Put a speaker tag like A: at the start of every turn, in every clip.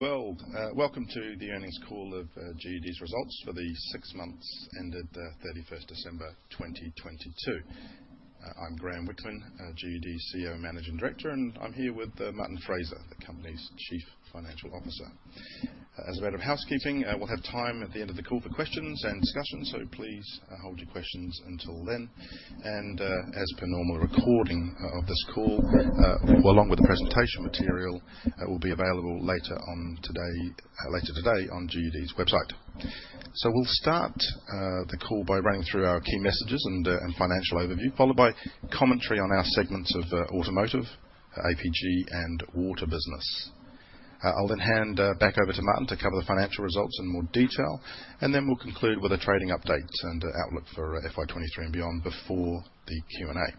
A: Well, welcome to The Earnings Call of GUD's Results for the six months ended, 31st December 2022. I'm Graeme Whickman, GUD CEO and Managing Director, and I'm here with Martin Fraser, the company's Chief Financial Officer. As a matter of housekeeping, we'll have time at the end of the call for questions and discussion, please hold your questions until then. As per normal recording of this call, along with the presentation material, it will be available later on today, later today on GUD's website. We'll start the call by running through our key messages and financial overview, followed by commentary on our segments of Automotive, APG, and Water Business. I'll then hand back over to Martin to cover the financial results in more detail, and then we'll conclude with a trading update and outlook for FY 2023 and beyond before the Q&A.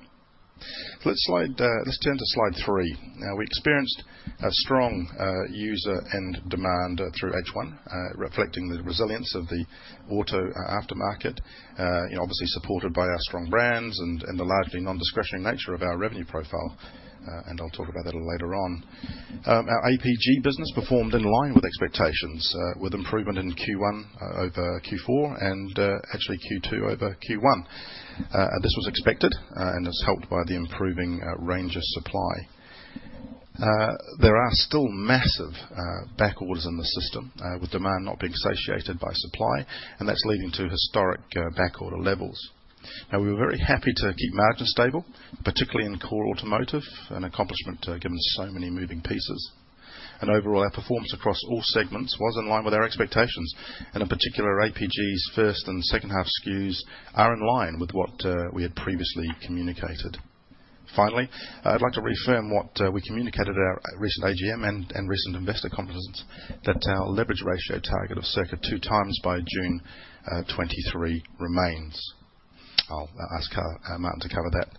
A: Let's turn to slide three. We experienced a strong user and demand through H1, reflecting the resilience of the auto aftermarket. Obviously supported by our strong brands and the largely non-discretionary nature of our revenue profile. I'll talk about that a little later on. Our APG business performed in line with expectations, with improvement in Q1 over Q4 and actually Q2 over Q1. This was expected and is helped by the improving range of supply. There are still massive back orders in the system, with demand not being satiated by supply, and that's leading to historic backorder levels. Now, we were very happy to keep margins stable, particularly in core Automotive, an accomplishment given so many moving pieces. Overall, our performance across all segments was in line with our expectations. In particular, APG's first and second half SKUs are in line with what we had previously communicated. Finally, I'd like to reaffirm what we communicated at our recent AGM and recent investor conferences that our leverage ratio target of circa 2x by June 2023 remains. I'll ask Martin to cover that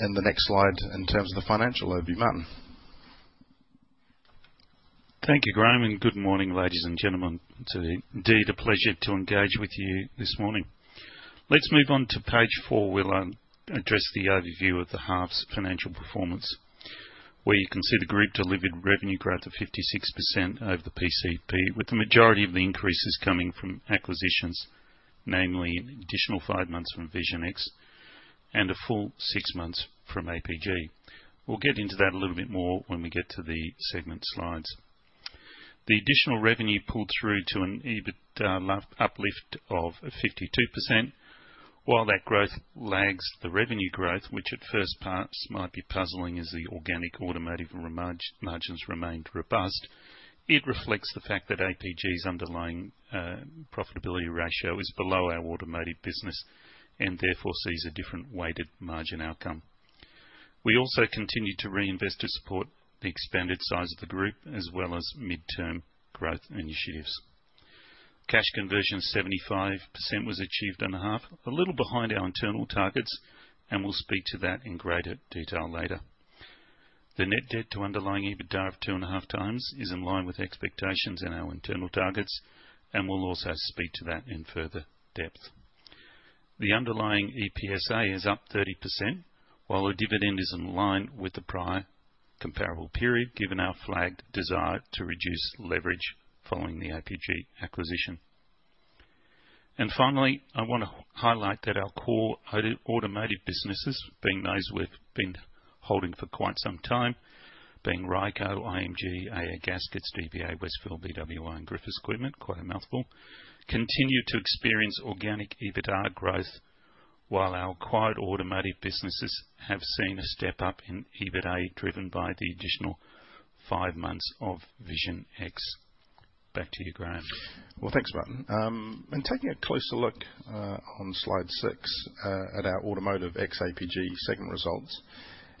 A: in the next slide in terms of the financial overview. Martin.
B: Thank you, Graeme, and good morning, ladies and gentlemen. It's indeed a pleasure to engage with you this morning. Let's move on to page four, where I'll address the overview of the half's financial performance, where you can see the group delivered revenue growth of 56% over the PCP, with the majority of the increases coming from acquisitions, namely additional five months from Vision X and a full six months from APG. We'll get into that a little bit more when we get to the segment slides. The additional revenue pulled through to an EBIT uplift of 52%. While that growth lags the revenue growth, which at first pass might be puzzling as the organic Automotive margins remained robust, it reflects the fact that APG's underlying profitability ratio is below our Automotive business and therefore sees a different weighted margin outcome. We also continue to reinvest to support the expanded size of the group as well as midterm growth initiatives. Cash conversion 75% was achieved in the half. A little behind our internal targets. We'll speak to that in greater detail later. The net debt to underlying EBITDA of 2.5x is in line with expectations in our internal targets. We'll also speak to that in further depth. The underlying EPSA is up 30%, while our dividend is in line with the prior comparable period, given our flagged desire to reduce leverage following the APG acquisition. Finally, I wanna highlight that our core Automotive businesses, being those we've been holding for quite some time, being Ryco, IMG, AA Gaskets, DBA, Wesfil, BWI, and Griffiths Equipment, quite a mouthful, continue to experience organic EBITDA growth, while our acquired Automotive businesses have seen a step up in EBITA, driven by the additional five months of Vision X. Back to you, Graeme.
A: Well, thanks, Martin. Taking a closer look on slide six at our Automotive ex-APG segment results.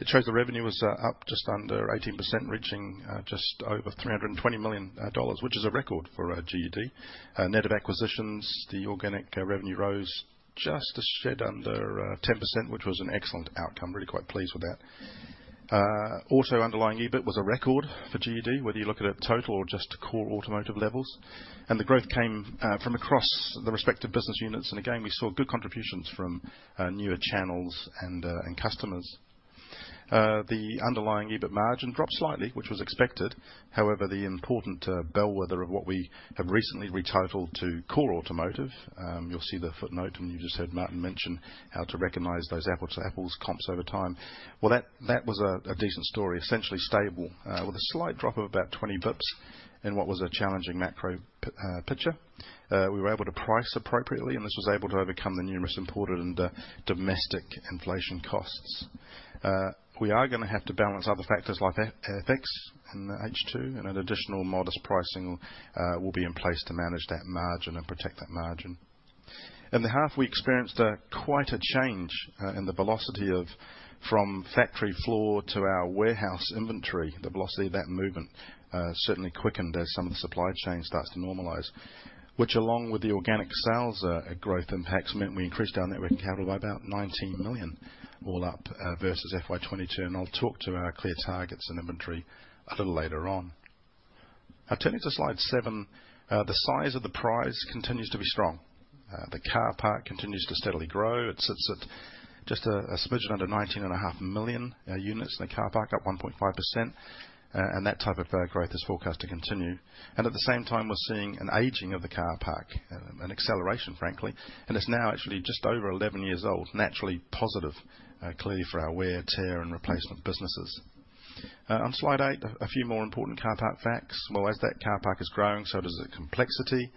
A: It shows the revenue was up just under 18%, reaching just over 320 million dollars, which is a record for GUD. Net of acquisitions, the organic revenue rose just a shed under 10%, which was an excellent outcome. Really quite pleased with that. Auto underlying EBIT was a record for GUD, whether you look at it total or just core Automotive levels. The growth came from across the respective business units. Again, we saw good contributions from newer channels and customers. The underlying EBIT margin dropped slightly, which was expected. The important bellwether of what we have recently retitled to core Automotive, you'll see the footnote, and you just heard Martin mention how to recognize those apples to apples comps over time. That was a decent story. Essentially stable, with a slight drop of about 20 basis points in what was a challenging macro picture. We were able to price appropriately, this was able to overcome the numerous imported and domestic inflation costs. We are gonna have to balance other factors like FX in H2 an additional modest pricing will be in place to manage that margin and protect that margin. In the half, we experienced quite a change in the velocity of from factory floor to our warehouse inventory. The velocity of that movement certainly quickened as some of the supply chain starts to normalize. Which along with the organic sales growth impacts, meant we increased our net working capital by about 19 million all up versus FY 2022. I'll talk to our clear targets and inventory a little later on. Turning to slide seven. The size of the prize continues to be strong. The car park continues to steadily grow. It sits at just a smidgen under 19.5 million units in the car park, up 1.5%. That type of growth is forecast to continue. At the same time, we're seeing an aging of the car park and an acceleration, frankly. It's now actually just over 11 years old, naturally positive, clearly for our wear, tear, and replacement businesses. On slide 8, a few more important car park facts. As that car park is growing, so does the complexity.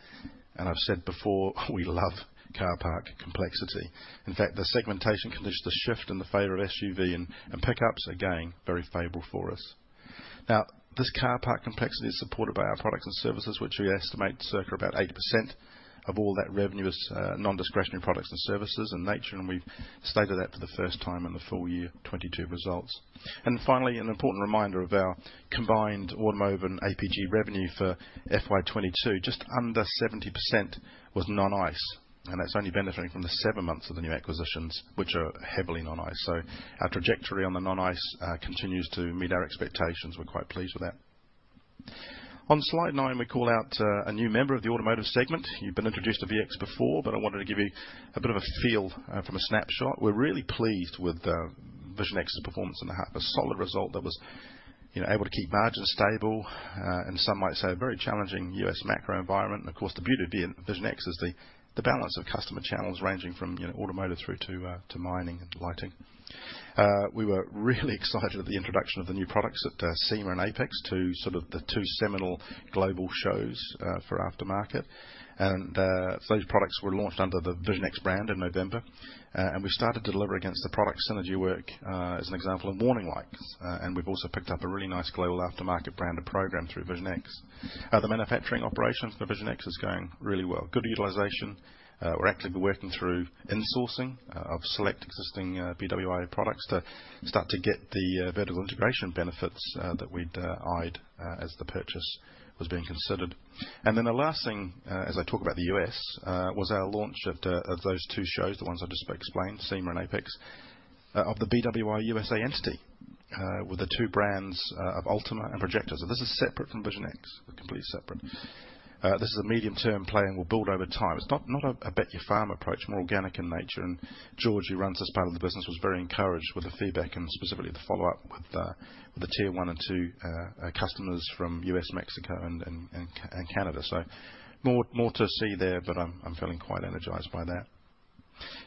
A: I've said before, we love car park complexity. In fact, the segmentation conditions, the shift in the favor of SUV and pickups, again, very favorable for us. Now, this car park complexity is supported by our products and services, which we estimate circa about 80% of all that revenue is nondiscretionary products and services in nature. We've stated that for the first time in the full year 2022 results. Finally, an important reminder of our combined Automotive and APG revenue for FY 2022, just under 70% was non-ICE. That's only benefiting from the seven months of the new acquisitions, which are heavily non-ICE. Our trajectory on the non-ICE continues to meet our expectations. We're quite pleased with that. On slide nine, we call out a new member of the Automotive segment. You've been introduced to Vision X before, but I wanted to give you a bit of a feel from a snapshot. We're really pleased with Vision X's performance in the half. A solid result that was, you know, able to keep margins stable in some might say, a very challenging U.S. macro environment. Of course, the beauty of Vision X is the balance of customer channels ranging from, you know, Automotive through to mining and to lighting. We were really excited at the introduction of the new products at SEMA and AAPEX to sort of the two seminal global shows for aftermarket. Those products were launched under the Vision X brand in November. We started to deliver against the product synergy work, as an example in warning lights. We've also picked up a really nice global aftermarket brand, a program through Vision X. The manufacturing operations for Vision X is going really well. Good utilization. We're actively working through insourcing of select existing BWI products to start to get the vertical integration benefits that we'd eyed as the purchase was being considered. The last thing, as I talk about the U.S., was our launch of those two shows, the ones I just explained, SEMA and AAPEX, of the BWI USA entity, with the two brands of Ultima and Projecta. This is separate from Vision X. They're completely separate. This is a medium-term play and will build over time. It's not a bet your farm approach, more organic in nature. George, who runs this part of the business, was very encouraged with the feedback and specifically the follow-up with the tier one and two customers from U.S., Mexico and Canada. More to see there, but I'm feeling quite energized by that.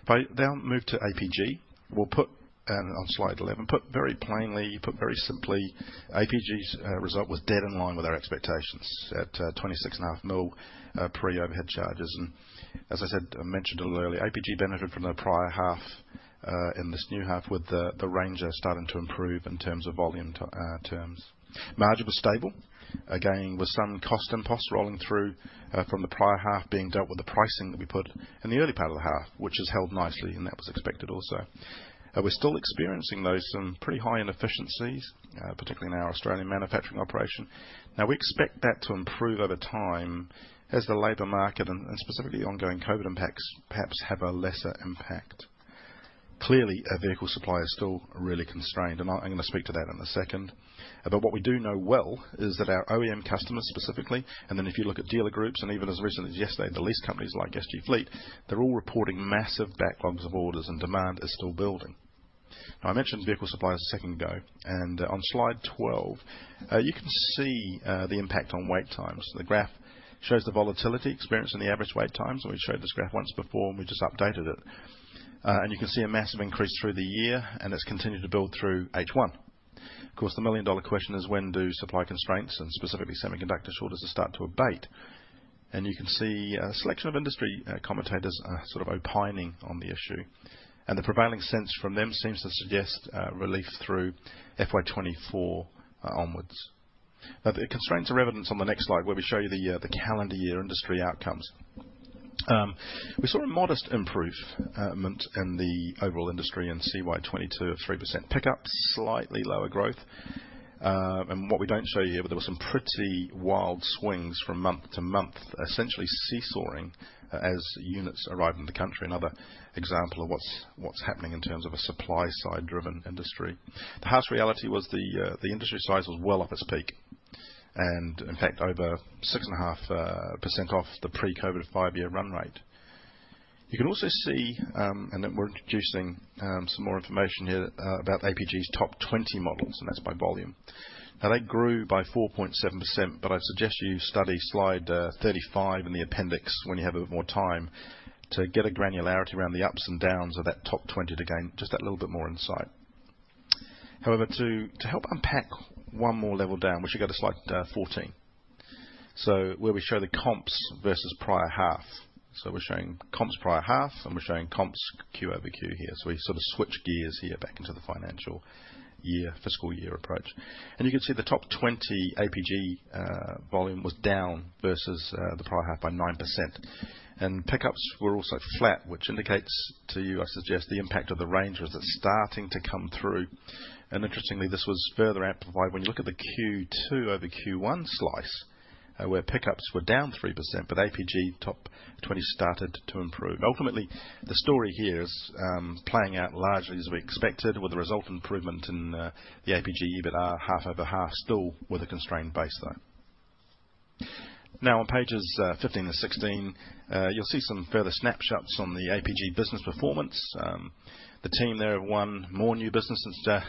A: If I now move to APG, we'll put on slide 11, put very plainly, put very simply, APG's result was dead in line with our expectations at 26.5 million pre overhead charges. As I said, I mentioned a little earlier, APG benefited from the prior half in this new half with the Ranger starting to improve in terms of volume terms. Margin was stable, again, with some cost and post rolling through from the prior half being dealt with the pricing that we put in the early part of the half, which has held nicely, and that was expected also. We're still experiencing though some pretty high inefficiencies, particularly in our Australian manufacturing operation. Now, we expect that to improve over time as the labor market and specifically ongoing COVID impacts perhaps have a lesser impact. Clearly, our vehicle supply is still really constrained, and I'm gonna speak to that in a second. But what we do know well is that our OEM customers specifically, and then if you look at dealer groups, and even as recently as yesterday, the lease companies like SG Fleet, they're all reporting massive backlogs of orders and demand is still building. I mentioned vehicle supply a second ago, on slide 12, you can see the impact on wait times. The graph shows the volatility experienced in the average wait times. We showed this graph once before, and we just updated it. You can see a massive increase through the year, and it's continued to build through H1. Of course, the million-dollar question is: When do supply constraints and specifically semiconductor shortages start to abate? You can see a selection of industry commentators are sort of opining on the issue. The prevailing sense from them seems to suggest relief through FY 2024 onwards. The constraints are evidenced on the next slide, where we show you the calendar year industry outcomes. We saw a modest improvement in the overall industry in CY 2022 of 3%. Pickups, slightly lower growth. What we don't show you here, but there were some pretty wild swings from month to month, essentially seesawing as units arrive in the country. Another example of what's happening in terms of a supply side driven industry. The harsh reality was the industry size was well off its peak and in fact over 6.5% off the pre-COVID five-year run rate. You can also see, we're introducing some more information here about APG's top 20 models, and that's by volume. They grew by 4.7%, but I'd suggest you study slide 35 in the appendix when you have a bit more time to get a granularity around the ups and downs of that top 20 to gain just that little bit more insight. To help unpack one more level down, we should go to slide 14. Where we show the comps versus prior half. We're showing comps prior half, and we're showing comps Q-over-Q here. We sort of switch gears here back into the financial year, fiscal year approach. You can see the top 20 APG volume was down versus the prior half by 9%. Pickups were also flat, which indicates to you, I suggest, the impact of the Ranger was that's starting to come through. Interestingly, this was further amplified when you look at the Q2 over Q1 slice, where pickups were down 3%, but APG top 20 started to improve. Ultimately, the story here is playing out largely as we expected, with a result improvement in the APG EBITDA half-over-half, still with a constrained base though. On pages 15-16, you'll see some further snapshots on the APG business performance. The team there won more new business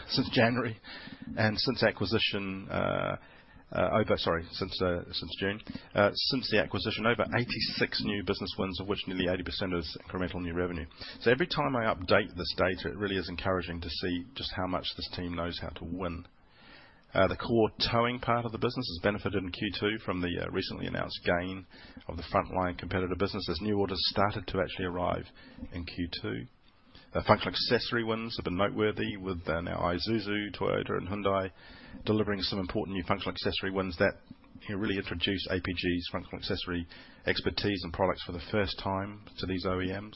A: since January and since acquisition, since June. Since the acquisition, over 86 new business wins, of which nearly 80% is incremental new revenue. Every time I update this data, it really is encouraging to see just how much this team knows how to win. The core towing part of the business has benefited in Q2 from the recently announced gain of the frontline competitor business as new orders started to actually arrive in Q2. The functional accessory wins have been noteworthy with now Isuzu, Toyota and Hyundai delivering some important new functional accessory wins that can really introduce APG's functional accessory expertise and products for the first time to these OEMs.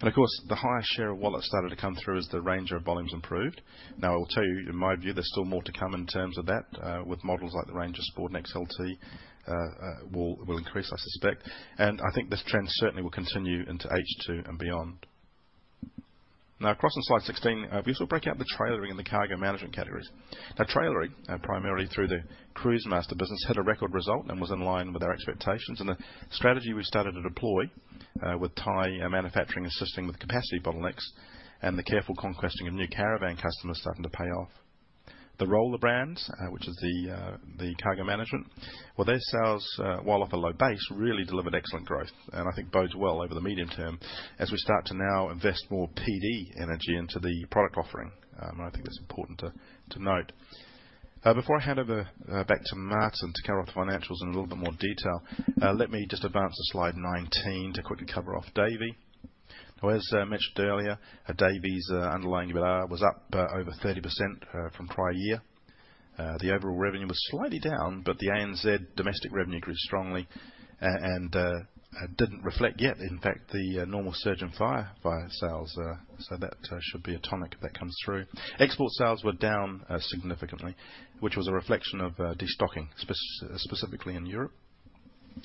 A: Of course, the higher share of wallet started to come through as the Ranger of volumes improved. I will tell you, in my view, there's still more to come in terms of that with models like the Ranger Sport and XLT will increase, I suspect. I think this trend certainly will continue into H2 and beyond. Across on slide 16, we also break out the trailering and the cargo management categories. Trailering primarily through the CruiseMaster business had a record result and was in line with our expectations. The strategy we started to deploy with Thai manufacturing assisting with capacity bottlenecks and the careful conquesting of new caravan customers starting to pay off. The Rola brands, which is the cargo management, well, their sales, while off a low base, really delivered excellent growth. I think bodes well over the medium term as we start to now invest more PD energy into the product offering. I think that's important to note. Before I hand over back to Martin to cover off the financials in a little bit more detail, let me just advance to slide 19 to quickly cover off Davey. As mentioned earlier, Davey's underlying EBITDA was up over 30% from prior year. The overall revenue was slightly down, but the ANZ domestic revenue grew strongly, and didn't reflect yet, in fact, the normal surge in fire sales. That should be a tonic that comes through. Export sales were down significantly, which was a reflection of destocking, specifically in Europe,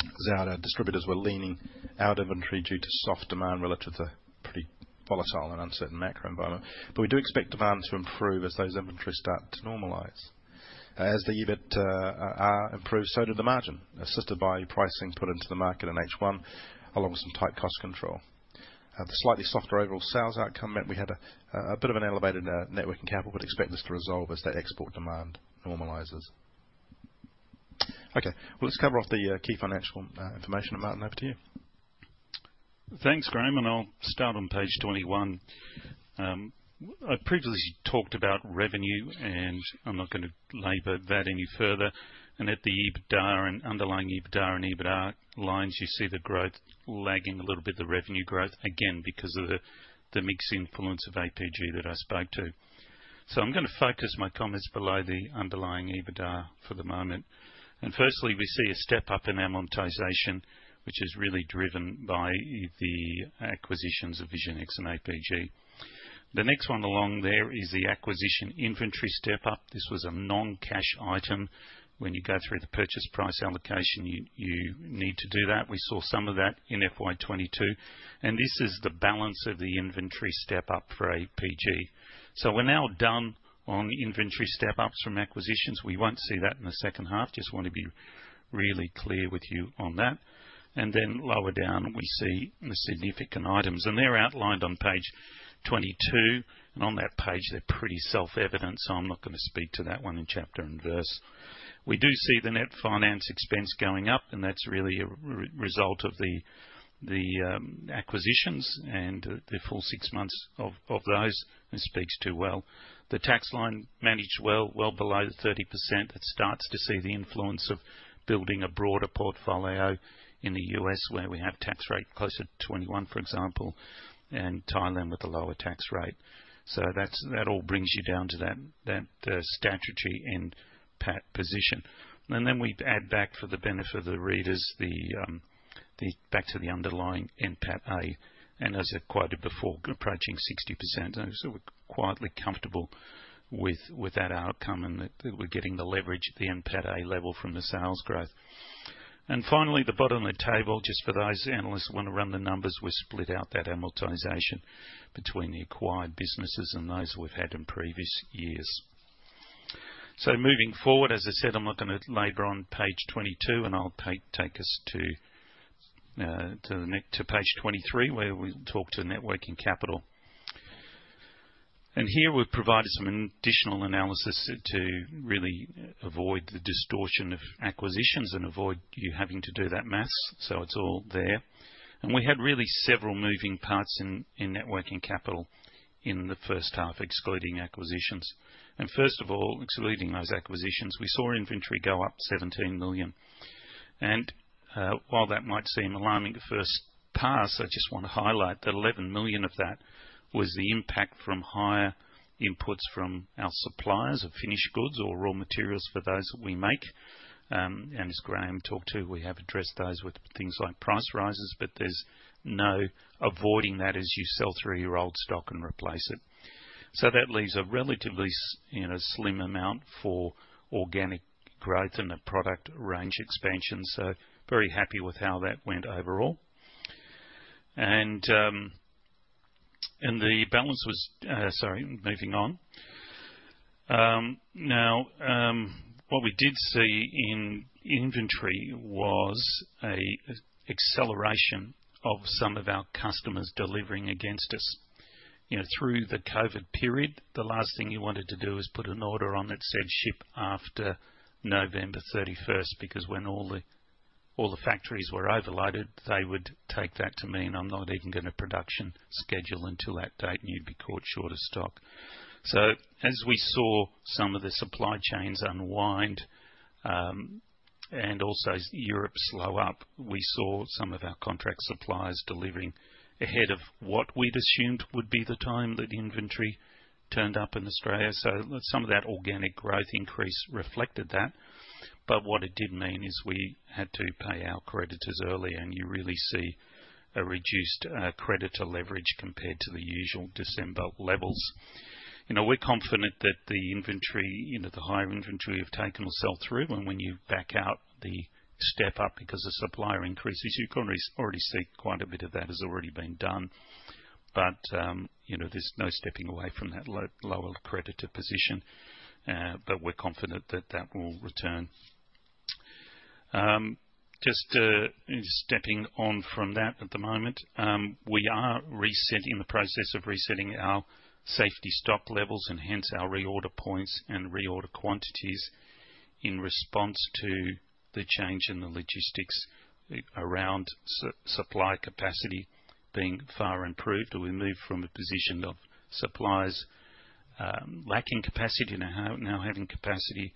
A: as our distributors were leaning out inventory due to soft demand relative to the pretty volatile and uncertain macro environment. We do expect demand to improve as those inventories start to normalize. As the EBIT improved, so did the margin, assisted by pricing put into the market in H1, along with some tight cost control. The slightly softer overall sales outcome meant we had a bit of an elevated net working capital. We'd expect this to resolve as that export demand normalizes. Okay, well, let's cover off the key financial information. Martin, over to you.
B: Thanks, Graeme, I'll start on page 21. I previously talked about revenue, I'm not gonna labor that any further. At the EBITDA and underlying EBITDA and EBITA lines, you see the growth lagging a little bit, the revenue growth, again, because of the mix influence of APG that I spoke to. I'm gonna focus my comments below the underlying EBITDA for the moment. Firstly, we see a step-up in amortization, which is really driven by the acquisitions of Vision X and APG. The next one along there is the acquisition inventory step-up. This was a non-cash item. When you go through the purchase price allocation, you need to do that. We saw some of that in FY 2022, this is the balance of the inventory step up for APG. We're now done on inventory step ups from acquisitions. We won't see that in the second half. Want to be really clear with you on that. Lower down, we see the significant items, and they're outlined on page 22. On that page, they're pretty self-evident, so I'm not going to speak to that one in chapter and verse. We do see the net finance expense going up, and that's really a result of the acquisitions and the full six months of those. It speaks to well. The tax line managed well, well below the 30%. It starts to see the influence of building a broader portfolio in the U.S., where we have tax rate closer to 21, for example, and Thailand with a lower tax rate. That all brings you down to that statutory NPAT position. Then we add back, for the benefit of the readers, the back to the underlying NPATA. As I quoted before, approaching 60%, and so we're quietly comfortable with that outcome and that we're getting the leverage at the NPATA level from the sales growth. Finally, the bottom of the table, just for those analysts that wanna run the numbers, we split out that amortization between the acquired businesses and those we've had in previous years. Moving forward, as I said, I'm not gonna labor on page 22, and I'll take us to page 23, where we talk to net working capital. Here we've provided some additional analysis to really avoid the distortion of acquisitions and avoid you having to do that math. It's all there. We had really several moving parts in net working capital in the first half, excluding acquisitions. First of all, excluding those acquisitions, we saw inventory go up 17 million. While that might seem alarming at first pass, I just wanna highlight that 11 million of that was the impact from higher inputs from our suppliers of finished goods or raw materials for those that we make. As Graeme talked to, we have addressed those with things like price rises, but there's no avoiding that as you sell three-year-old stock and replace it. That leaves a relatively, you know, slim amount for organic growth and the product range expansion. Very happy with how that went overall. The balance was, sorry, moving on. Now, what we did see in inventory was an acceleration of some of our customers delivering against us. You know, through the COVID period, the last thing you wanted to do is put an order on that said ship after November 31st, because when all the factories were overloaded, they would take that to mean I'm not even going to production schedule until that date, and you'd be caught short of stock. As we saw some of the supply chains unwind, and also Europe slow up, we saw some of our contract suppliers delivering ahead of what we'd assumed would be the time that inventory turned up in Australia. Some of that organic growth increase reflected that. What it did mean is we had to pay our creditors early, and you really see a reduced creditor leverage compared to the usual December levels. You know, we're confident that the inventory, you know, the higher inventory we've taken will sell through. When you back out the step up because the supplier increases, you can already see quite a bit of that has already been done. You know, there's no stepping away from that lower creditor position, but we're confident that that will return. Just stepping on from that at the moment, we are resetting, in the process of resetting our safety stock levels and hence our reorder points and reorder quantities in response to the change in the logistics around supply capacity being far improved. We moved from a position of suppliers, lacking capacity now having capacity.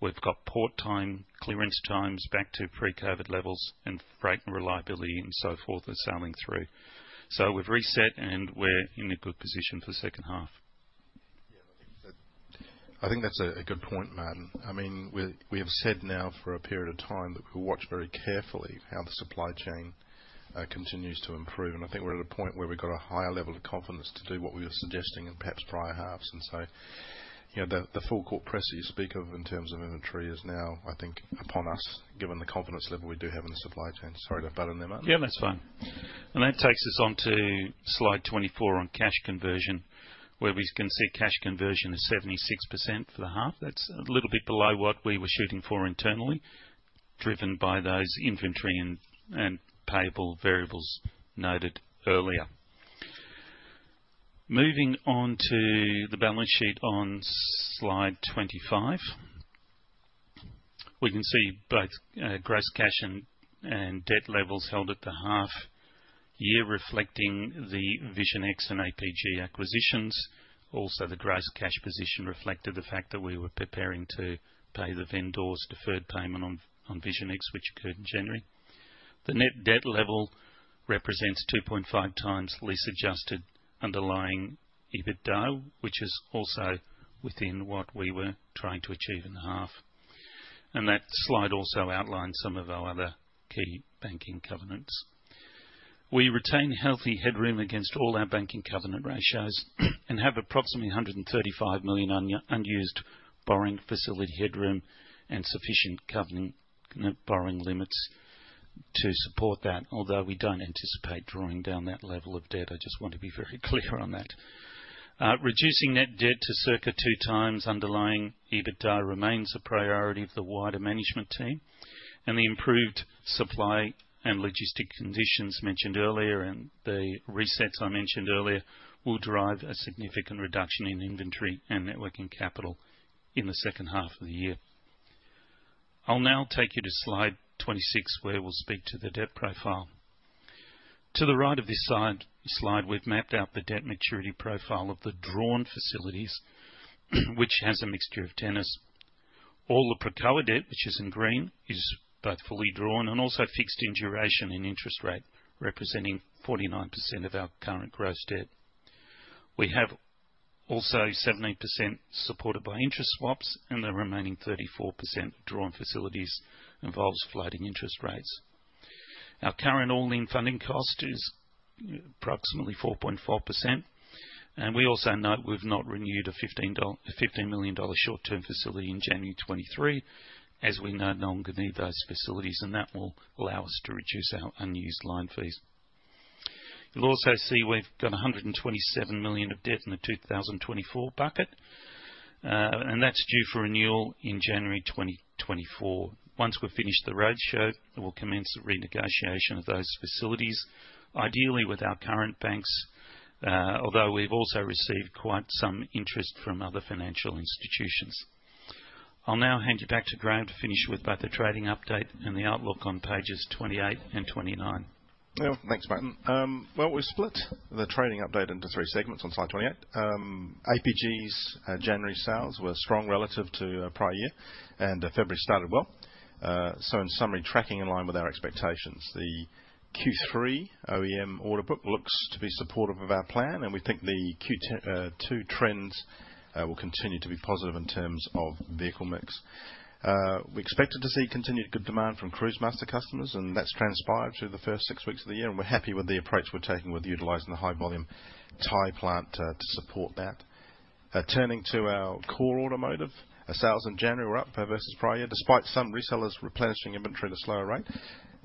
B: We've got port time, clearance times back to pre-COVID levels and freight and reliability and so forth are sailing through. We've reset, and we're in a good position for the second half.
A: Yeah, I think that's a good point, Martin. I mean, we have said now for a period of time that we'll watch very carefully how the supply chain continues to improve. I think we're at a point where we've got a higher level of confidence to do what we were suggesting in perhaps prior halves. So, you know, the full court press that you speak of in terms of inventory is now, I think, upon us, given the confidence level we do have in the supply chain. Sorry to butt in there, Martin.
B: Yeah, that's fine. That takes us onto slide 24 on cash conversion, where we can see cash conversion is 76% for the half. That's a little bit below what we were shooting for internally, driven by those inventory and payable variables noted earlier. Moving on to the balance sheet on slide 25. We can see both gross cash and debt levels held at the half year reflecting the Vision X and APG acquisitions. Also, the gross cash position reflected the fact that we were preparing to pay the vendors deferred payment on Vision X, which occurred in January. The net debt level represents 2.5x lease adjusted underlying EBITDA, which is also within what we were trying to achieve in the half. That slide also outlines some of our other key banking covenants. We retain healthy headroom against all our banking covenant ratios and have approximately 135 million unused borrowing facility headroom and sufficient covenant borrowing limits to support that, although we don't anticipate drawing down that level of debt. I just want to be very clear on that. Reducing net debt to circa 2x underlying EBITDA remains a priority for the wider management team. The improved supply and logistic conditions mentioned earlier and the resets I mentioned earlier will drive a significant reduction in inventory and net working capital in the second half of the year. I'll now take you to slide 26, where we'll speak to the debt profile. To the right of this slide, we've mapped out the debt maturity profile of the drawn facilities, which has a mixture of tenants. All the Projecta debt, which is in green, is both fully drawn and also fixed in duration and interest rate, representing 49% of our current gross debt. We have also 17% supported by interest swaps, and the remaining 34% drawn facilities involves floating interest rates. Our current all-in funding cost is approximately 4.5%. We also note we've not renewed an 15 million dollar short-term facility in January 2023, as we no longer need those facilities. That will allow us to reduce our unused line fees. You'll also see we've got 127 million of debt in the 2024 bucket. That's due for renewal in January 2024. Once we've finished the roadshow, we'll commence the renegotiation of those facilities, ideally with our current banks, although we've also received quite some interest from other financial institutions. I'll now hand you back to Graeme to finish with both the trading update and the outlook on pages 28 and 29.
A: Thanks, Martin. Well, we've split the trading update into three segments on slide 28. APG's January sales were strong relative to prior year, and February started well. In summary, tracking in line with our expectations. The Q3 OEM order book looks to be supportive of our plan, we think the Q2 trends will continue to be positive in terms of vehicle mix. We expected to see continued good demand from CruiseMaster customers, that's transpired through the first six weeks of the year, we're happy with the approach we're taking with utilizing the high volume Thai plant to support that. Turning to our core Automotive, sales in January were up versus prior, despite some resellers replenishing inventory at a slower rate.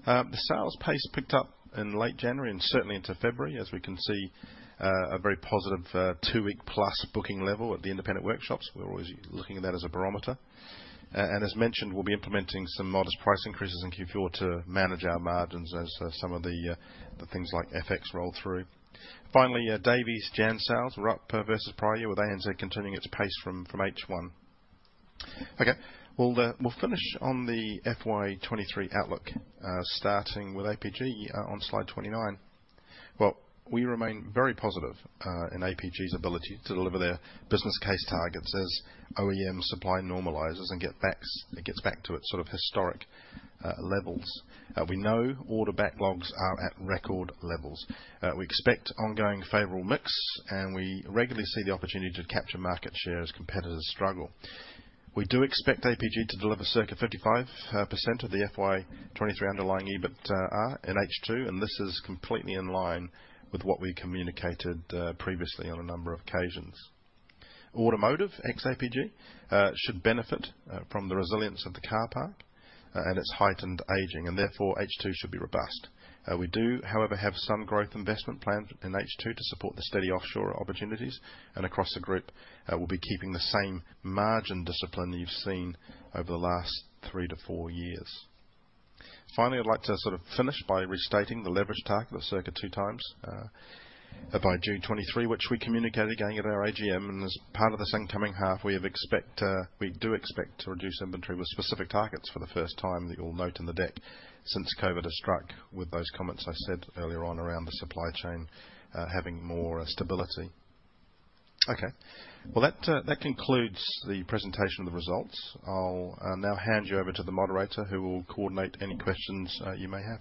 A: The sales pace picked up in late January and certainly into February, as we can see, a very positive two-week plus booking level at the independent workshops. We're always looking at that as a barometer. As mentioned, we'll be implementing some modest price increases in Q4 to manage our margins as some of the things like FX roll through. Finally, Davey Jan sales were up versus prior, with ANZ continuing its pace from H1. We'll, we'll finish on the FY23 outlook, starting with APG, on slide 29. We remain very positive in APG's ability to deliver their business case targets as OEM supply normalizes and it gets back to its sort of historic levels. We know order backlogs are at record levels. We expect ongoing favorable mix, and we regularly see the opportunity to capture market share as competitors struggle. We do expect APG to deliver circa 55% of the FY 2023 underlying EBITA in H2, and this is completely in line with what we communicated previously on a number of occasions. Automotive, ex-APG, should benefit from the resilience of the car park and its heightened aging, and therefore H2 should be robust. We do, however, have some growth investment planned in H2 to support the steady offshore opportunities. Across the group, we'll be keeping the same margin discipline you've seen over the last 3-4 years. Finally, I'd like to sort of finish by restating the leverage target of circa 2x by June 2023, which we communicated again at our AGM. As part of this incoming half, we do expect to reduce inventory with specific targets for the first time that you'll note in the deck since COVID has struck with those comments I said earlier on around the supply chain having more stability. Okay. Well, that concludes the presentation of the results. I'll now hand you over to the moderator, who will coordinate any questions you may have.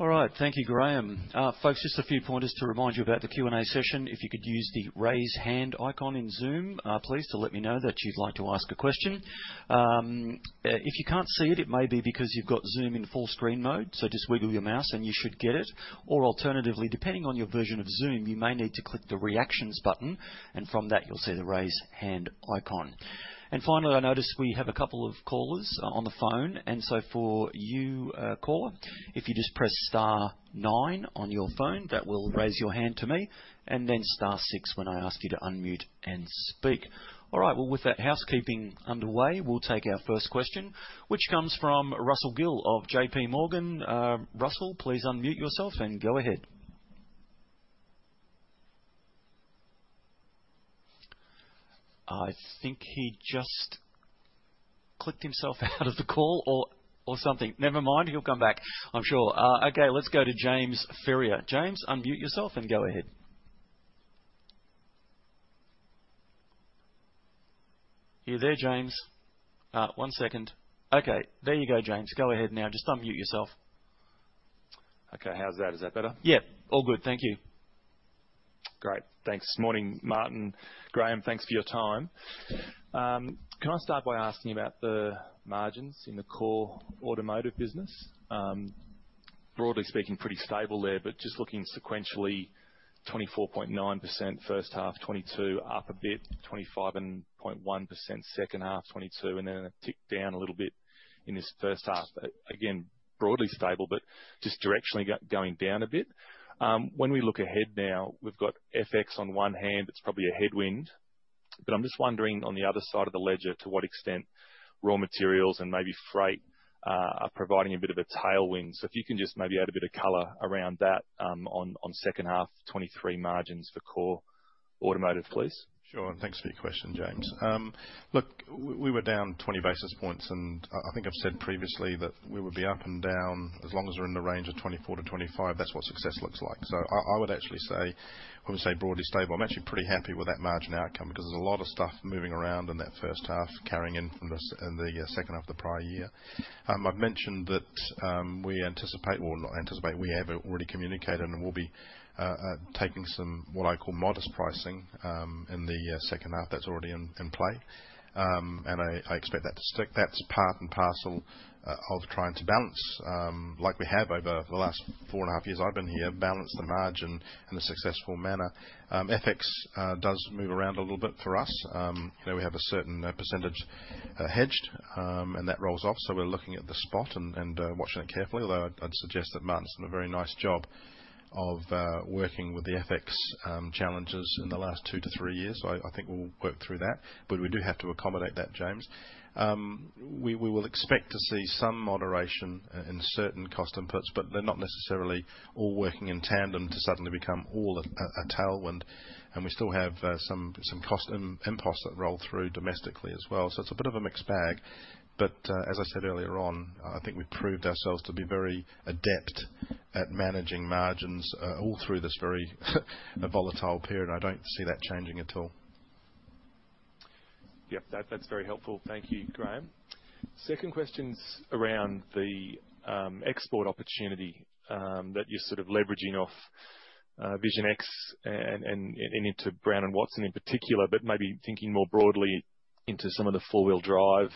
C: All right. Thank you, Graeme. Folks, just a few pointers to remind you about the Q&A session. If you could use the Raise Hand icon in Zoom, please, to let me know that you'd like to ask a question. If you can't see it may be because you've got Zoom in full screen mode, so just wiggle your mouse and you should get it. Alternatively, depending on your version of Zoom, you may need to click the Reactions button. From that you'll see the Raise Hand icon. Finally, I notice we have a couple of callers on the phone. For you, caller, if you just press star nine on your phone, that will raise your hand to me, and then star six when I ask you to unmute and speak. All right, well, with that housekeeping underway, we'll take our first question, which comes from Russell Gill of JPMorgan. Russell, please unmute yourself and go ahead. I think he just clicked himself out of the call or something. Never mind, he'll come back, I'm sure. Okay, let's go to James [Fiori]. James, unmute yourself and go ahead. You there, James? One second. Okay, there you go, James. Go ahead now. Just unmute yourself.
D: Okay. How's that? Is that better?
C: Yeah. All good. Thank you.
D: Great. Thanks. Morning, Martin. Graeme, thanks for your time. Can I start by asking about the margins in the core Automotive business? Broadly speaking, pretty stable there, but just looking sequentially, 24.9% first half 2022, up a bit, 25.1% second half 2022, and then a tick down a little bit in this first half. Again, broadly stable, but just directionally going down a bit. When we look ahead now, we've got FX on one hand, it's probably a headwind, but I'm just wondering on the other side of the ledger, to what extent raw materials and maybe freight, are providing a bit of a tailwind. If you can just maybe add a bit of color around that, on second half 2023 margins for core Automotive, please.
A: Sure. Thanks for your question, James. Look, we were down 20 basis points. I think I've said previously that we would be up and down. As long as we're in the range of 24%-25%, that's what success looks like. I would actually say broadly stable. I'm actually pretty happy with that margin outcome because there's a lot of stuff moving around in that first half carrying in from the second half of the prior year. I've mentioned that we have already communicated we'll be taking some what I call modest pricing in the second half that's already in play. I expect that to stick. That's part and parcel, of trying to balance, like we have over the last 4.5 years I've been here, balance the margin in a successful manner. FX, does move around a little bit for us. you know, we have a certain, %, hedged, and that rolls off, so we're looking at the spot and, watching it carefully. Although I'd suggest that Martin's done a very nice job of, working with the FX, challenges in the last 2-3 years. I think we'll work through that, but we do have to accommodate that, James. we will expect to see some moderation, in certain cost inputs, but they're not necessarily all working in tandem to suddenly become all a tailwind. We still have some imposts that roll through domestically as well. It's a bit of a mixed bag. As I said earlier on, I think we proved ourselves to be very adept at managing margins, all through this very volatile period. I don't see that changing at all.
D: Yep. That's very helpful. Thank you, Graeme. Second question's around the export opportunity that you're sort of leveraging off Vision X and into Brown & Watson in particular, but maybe thinking more broadly into some of the four-wheel drive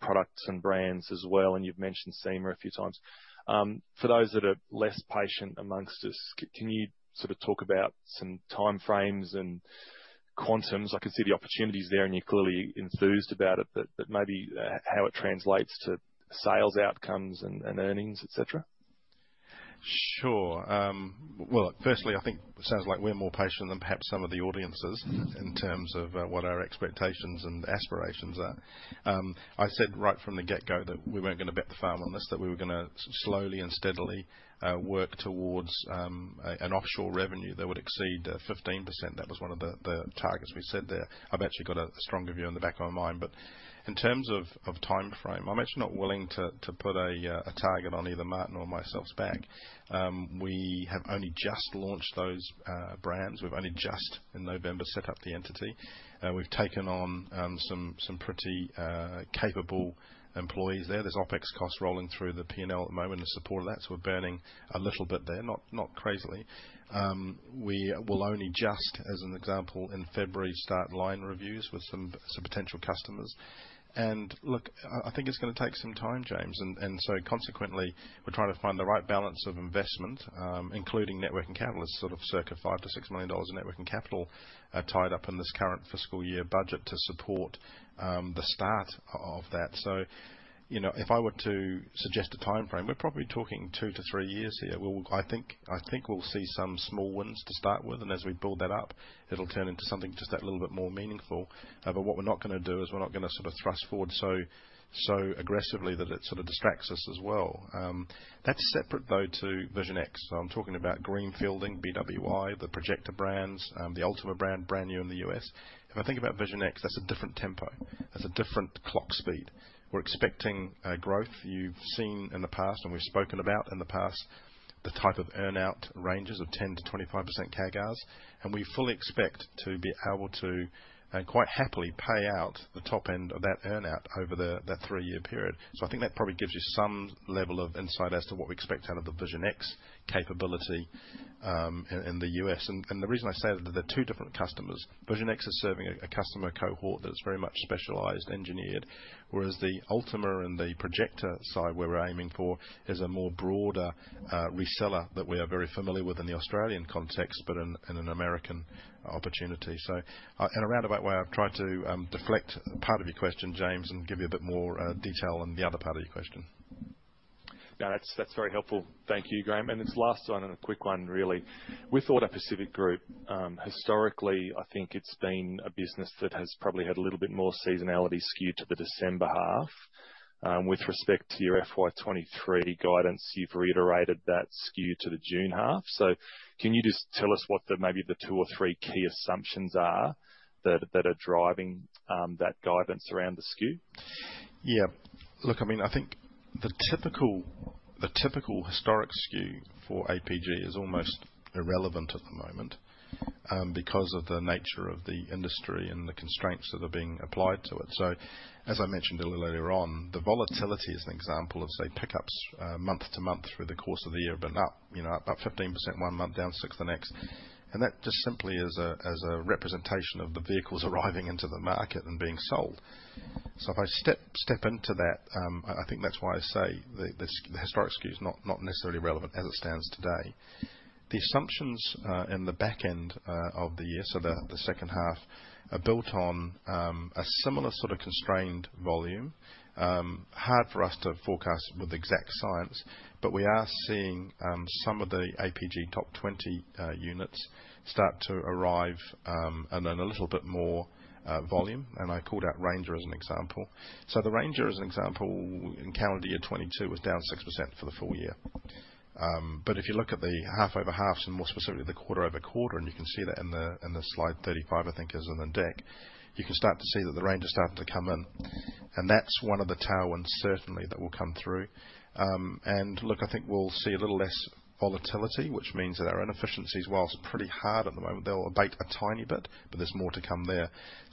D: products and brands as well. You've mentioned SEMA a few times. For those that are less patient amongst us, can you sort of talk about some timeframes and quantums? I can see the opportunities there, and you're clearly enthused about it, but maybe how it translates to sales outcomes and earnings, et cetera.
A: Sure. Well, look, firstly, I think it sounds like we're more patient than perhaps some of the audience is in terms of what our expectations and aspirations are. I said right from the get-go that we weren't gonna bet the farm on this, that we were gonna slowly and steadily work towards an offshore revenue that would exceed 15%. That was one of the targets we set there. I've actually got a stronger view in the back of my mind. In terms of timeframe, I'm actually not willing to put a target on either Martin or myself's back. We have only just launched those brands. We've only just, in November, set up the entity. We've taken on some pretty capable employees there. There's OpEx costs rolling through the P&L at the moment in support of that, we're burning a little bit there, not crazily. We will only just, as an example, in February, start line reviews with some potential customers. Look, I think it's gonna take some time, James. Consequently, we're trying to find the right balance of investment, including net working capital. There's sort of circa 5 million-6 million dollars in net working capital tied up in this current fiscal year budget to support the start of that. You know, if I were to suggest a timeframe, we're probably talking 2-3 years here. I think we'll see some small wins to start with, as we build that up, it'll turn into something just that little bit more meaningful. What we're not gonna do is we're not gonna sort of thrust forward so aggressively that it sort of distracts us as well. That's separate, though, to Vision X. I'm talking about greenfielding BWI, the Projecta brands, the Ultima brand new in the U.S. If I think about Vision X, that's a different tempo. That's a different clock speed. We're expecting growth. You've seen in the past, and we've spoken about in the past, the type of earn out ranges of 10%-25% CAGRs, and we fully expect to be able to quite happily pay out the top end of that earn out over that three-year period. I think that probably gives you some level of insight as to what we expect out of the Vision X capability in the U.S. The reason I say that they're two different customers, Vision X is serving a customer cohort that's very much specialized, engineered, whereas the Ultima and the Projecta side where we're aiming for is a more broader reseller that we are very familiar with in the Australian context, but in an American opportunity. In a roundabout way, I've tried to deflect part of your question, James, and give you a bit more detail on the other part of your question.
D: No, that's very helpful. Thank you, Graeme. This last one, and a quick one really. With AutoPacific Group, historically, I think it's been a business that has probably had a little bit more seasonality skewed to the December half. With respect to your FY 2023 guidance, you've reiterated that skew to the June half. Can you just tell us what the maybe the two or three key assumptions are that are driving that guidance around the skew?
A: I mean, I think the typical historic skew for APG is almost irrelevant at the moment because of the nature of the industry and the constraints that are being applied to it. As I mentioned a little earlier on, the volatility as an example of, say, pickups, month to month through the course of the year have been up, you know, up 15% one month, down 6% the next. That just simply is a representation of the vehicles arriving into the market and being sold. If I step into that, I think that's why I say the historic skew is not necessarily relevant as it stands today. The assumptions in the back end of the year, so the second half, are built on a similar sort of constrained volume. Hard for us to forecast with exact science, but we are seeing some of the APG top 20 units start to arrive and earn a little bit more volume, and I called out Ranger as an example. The Ranger, as an example, in calendar year 2022 was down 6% for the full year. If you look at the half-over-halves and more specifically the quarter-over-quarter, and you can see that in the slide 35, I think is in the deck, you can start to see that the Ranger's starting to come in. That's one of the tailwinds, certainly, that will come through. I think we'll see a little less volatility, which means that our inefficiencies, whilst pretty hard at the moment, they'll abate a tiny bit, but there's more to come there.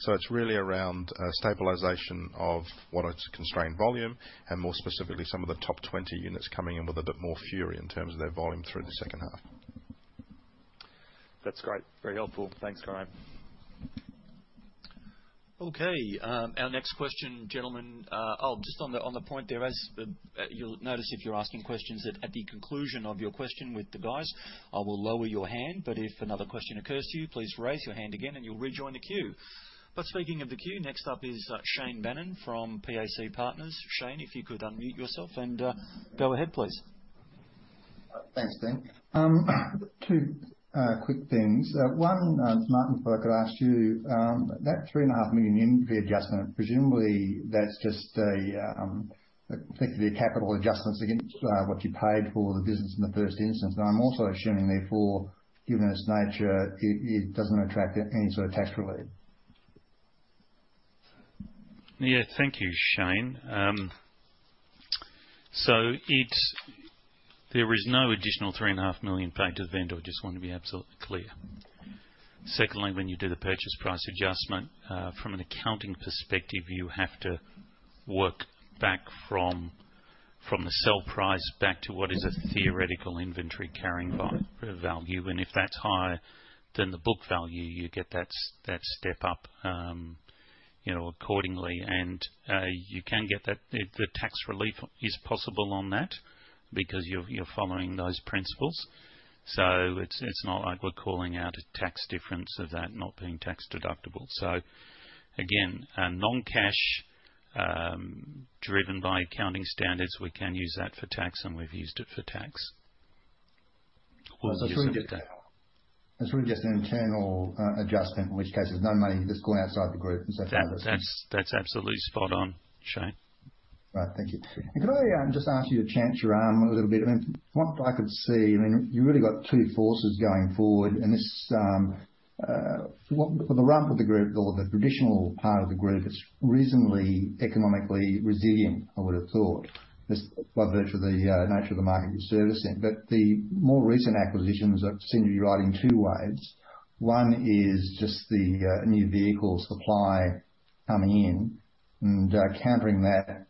A: It's really around stabilization of what is constrained volume and more specifically some of the top 20 units coming in with a bit more fury in terms of their volume through the second half.
D: That's great. Very helpful. Thanks, Graeme.
C: Okay. Our next question, gentlemen. Just on the point there, as you'll notice if you're asking questions that at the conclusion of your question with the guys, I will lower your hand, if another question occurs to you, please raise your hand again, and you'll rejoin the queue. Speaking of the queue, next up is Shane Bannan from PAC Partners. Shane, if you could unmute yourself and go ahead, please.
E: Thanks, Ben. Two quick things. One, Martin, if I could ask you, that 3.5 Million inventory adjustment, presumably that's just effectively a capital adjustment against what you paid for the business in the first instance. I'm also assuming, therefore, given its nature, it doesn't attract any sort of tax relief.
B: Yeah. Thank you, Shane. There is no additional 3.5 million paid to the vendor. I just want to be absolutely clear. Secondly, when you do the purchase price adjustment from an accounting perspective, you have to work back from the sell price back to what is a theoretical inventory carrying by value. If that's higher than the book value, you get that step up, you know, accordingly. You can get the tax relief is possible on that because you're following those principles. It's not like we're calling out a tax difference of that not being tax deductible. Again, a non-cash, driven by accounting standards. We can use that for tax, and we've used it for tax.
E: It's really just an internal adjustment, in which case there's no money that's going outside the group and so forth.
B: That's absolutely spot on, Shane.
E: Right. Thank you. Could I just ask you to chance your arm a little bit? I mean, from what I could see, I mean, you really got two forces going forward. This, well, for the rump of the group or the traditional part of the group, it's reasonably economically resilient, I would have thought, just by virtue of the nature of the market you service in. The more recent acquisitions seem to be riding two waves. One is just the new vehicle supply coming in. Countering that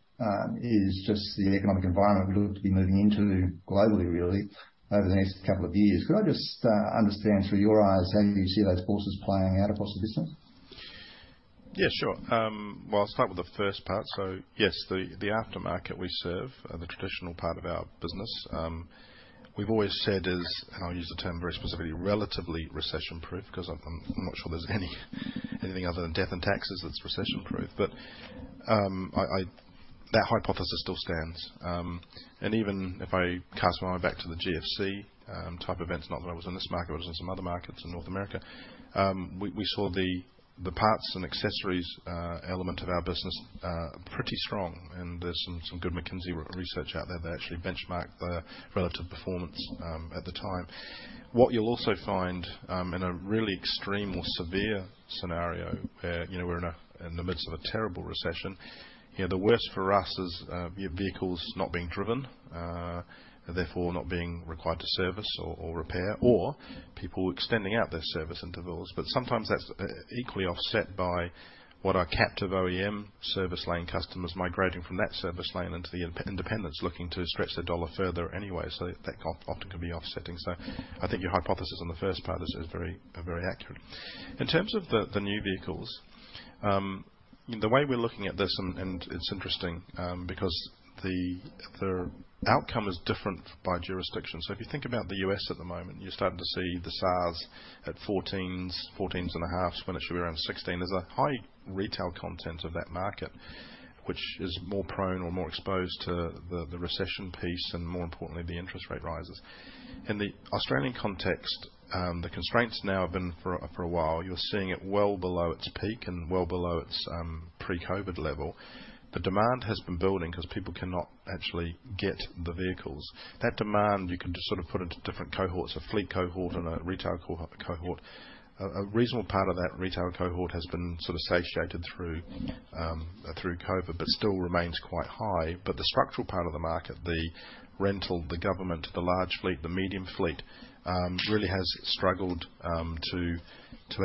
E: is just the economic environment we look to be moving into globally, really, over the next couple of years. Could I just understand through your eyes how you see those forces playing out across the business?
A: Yeah, sure. Well, I'll start with the first part. Yes, the aftermarket we serve, the traditional part of our business, we've always said is, and I'll use the term very specifically, relatively recession-proof because I'm not sure there's anything other than death and taxes that's recession-proof. That hypothesis still stands. Even if I cast my mind back to the GFC type events, not that I was in this market, I was in some other markets in North America, we saw the parts and accessories element of our business pretty strong. There's some good McKinsey research out there that actually benchmark the relative performance at the time. What you'll also find, in a really extreme or severe scenario where, you know, we're in a, in the midst of a terrible recession, you know, the worst for us is vehicles not being driven, and therefore not being required to service or repair or people extending out their service intervals. Sometimes that's equally offset by what are captive OEM service lane customers migrating from that service lane into the in-independence, looking to stretch their dollar further anyway, so that often can be offsetting. I think your hypothesis on the first part is very, very accurate. In terms of the new vehicles, the way we're looking at this and it's interesting, because the outcome is different by jurisdiction. If you think about the U.S. at the moment, you're starting to see the sales at 14s and a halves when it should be around 16. There's a high retail content of that market, which is more prone or more exposed to the recession piece and more importantly, the interest rate rises. In the Australian context, the constraints now have been for a while. You're seeing it well below its peak and well below its pre-COVID level. The demand has been building because people cannot actually get the vehicles. That demand you can just sort of put into different cohorts, a fleet cohort and a retail cohort. A reasonable part of that retail cohort has been sort of satiated through COVID, but still remains quite high. The structural part of the market, the rental, the government, the large fleet, the medium fleet, really has struggled to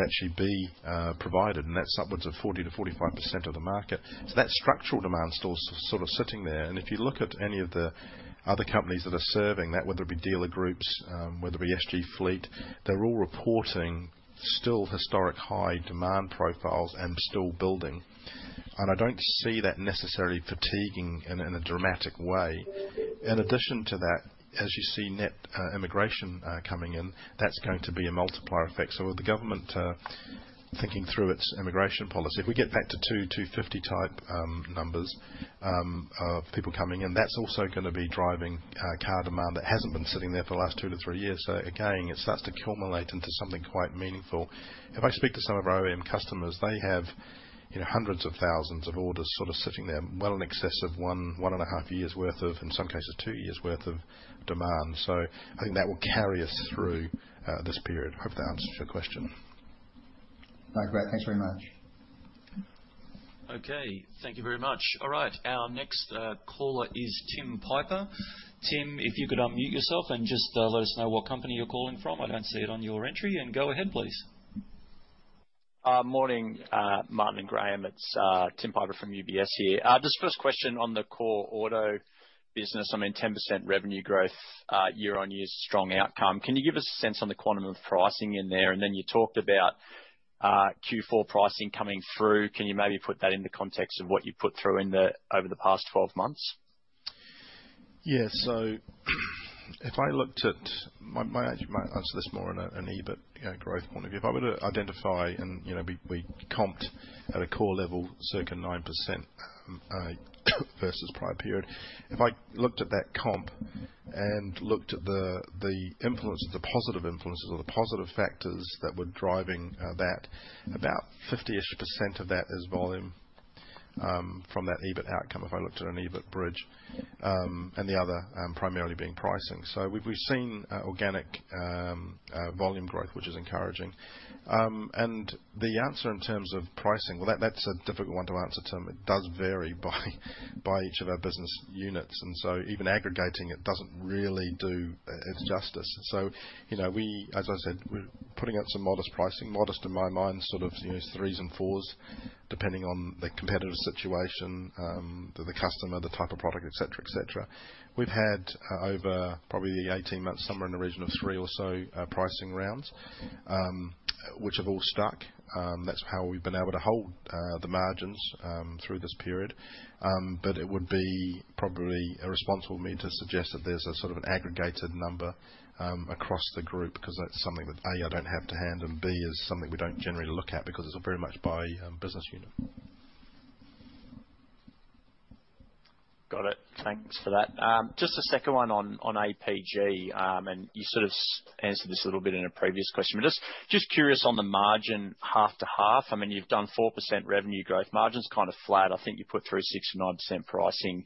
A: actually be provided, and that's upwards of 40%-45% of the market. That structural demand is still sort of sitting there. If you look at any of the other companies that are serving that, whether it be dealer groups, whether it be SG Fleet, they're all reporting still historic high demand profiles and still building. I don't see that necessarily fatiguing in a dramatic way. In addition to that, as you see net immigration coming in, that's going to be a multiplier effect. The government, thinking through its immigration policy, if we get back to two, 250 type numbers of people coming in, that's also going to be driving car demand that hasn't been sitting there for the last 2-3 years. Again, it starts to accumulate into something quite meaningful. If I speak to some of our OEM customers, they have, you know, hundreds of thousands of orders sort of sitting there well in excess of 1.5 years worth of, in some cases, two years worth of demand. I think that will carry us through this period. Hope that answers your question.
E: No, great. Thanks very much.
C: Okay. Thank you very much. All right. Our next caller is Tim Piper. Tim, if you could unmute yourself and just let us know what company you're calling from. I don't see it on your entry. Go ahead, please.
F: Morning, Martin and Graeme. It's Tim Piper from UBS here. Just first question on the core auto business. I mean, 10% revenue growth year-on-year is a strong outcome. Can you give us a sense on the quantum of pricing in there? Then you talked about Q4 pricing coming through. Can you maybe put that in the context of what you've put through over the past 12 months?
A: Yeah. If I looked at my answer, my answer to this more on an EBIT, you know, growth point of view. If I were to identify and, you know, we comped at a core level circa 9% versus prior period. If I looked at that comp and looked at the influence, the positive influences or the positive factors that were driving that, about 50%-ish of that is volume. From that EBIT outcome, if I looked at an EBIT bridge. The other, primarily being pricing. We've seen organic volume growth, which is encouraging. The answer in terms of pricing, well, that's a difficult one to answer, Tim. It does vary by each of our business units. Even aggregating it doesn't really do its justice. You know, as I said, we're putting out some modest pricing. Modest in my mind, sort of, you know, threes and fours depending on the competitive situation, the customer, the type of product, et cetera, et cetera. We've had over probably the 18 months, somewhere in the region of three or so pricing rounds, which have all stuck. That's how we've been able to hold the margins through this period. It would be probably irresponsible of me to suggest that there's a sort of an aggregated number across the group because that's something that, A, I don't have to hand, and B, is something we don't generally look at because it's very much by business unit.
F: Got it. Thanks for that. Just a second one on APG. You sort of answered this a little bit in a previous question, but just curious on the margin half to half. I mean, you've done 4% revenue growth. Margin's kind of flat. I think you put through 6% and 9% pricing in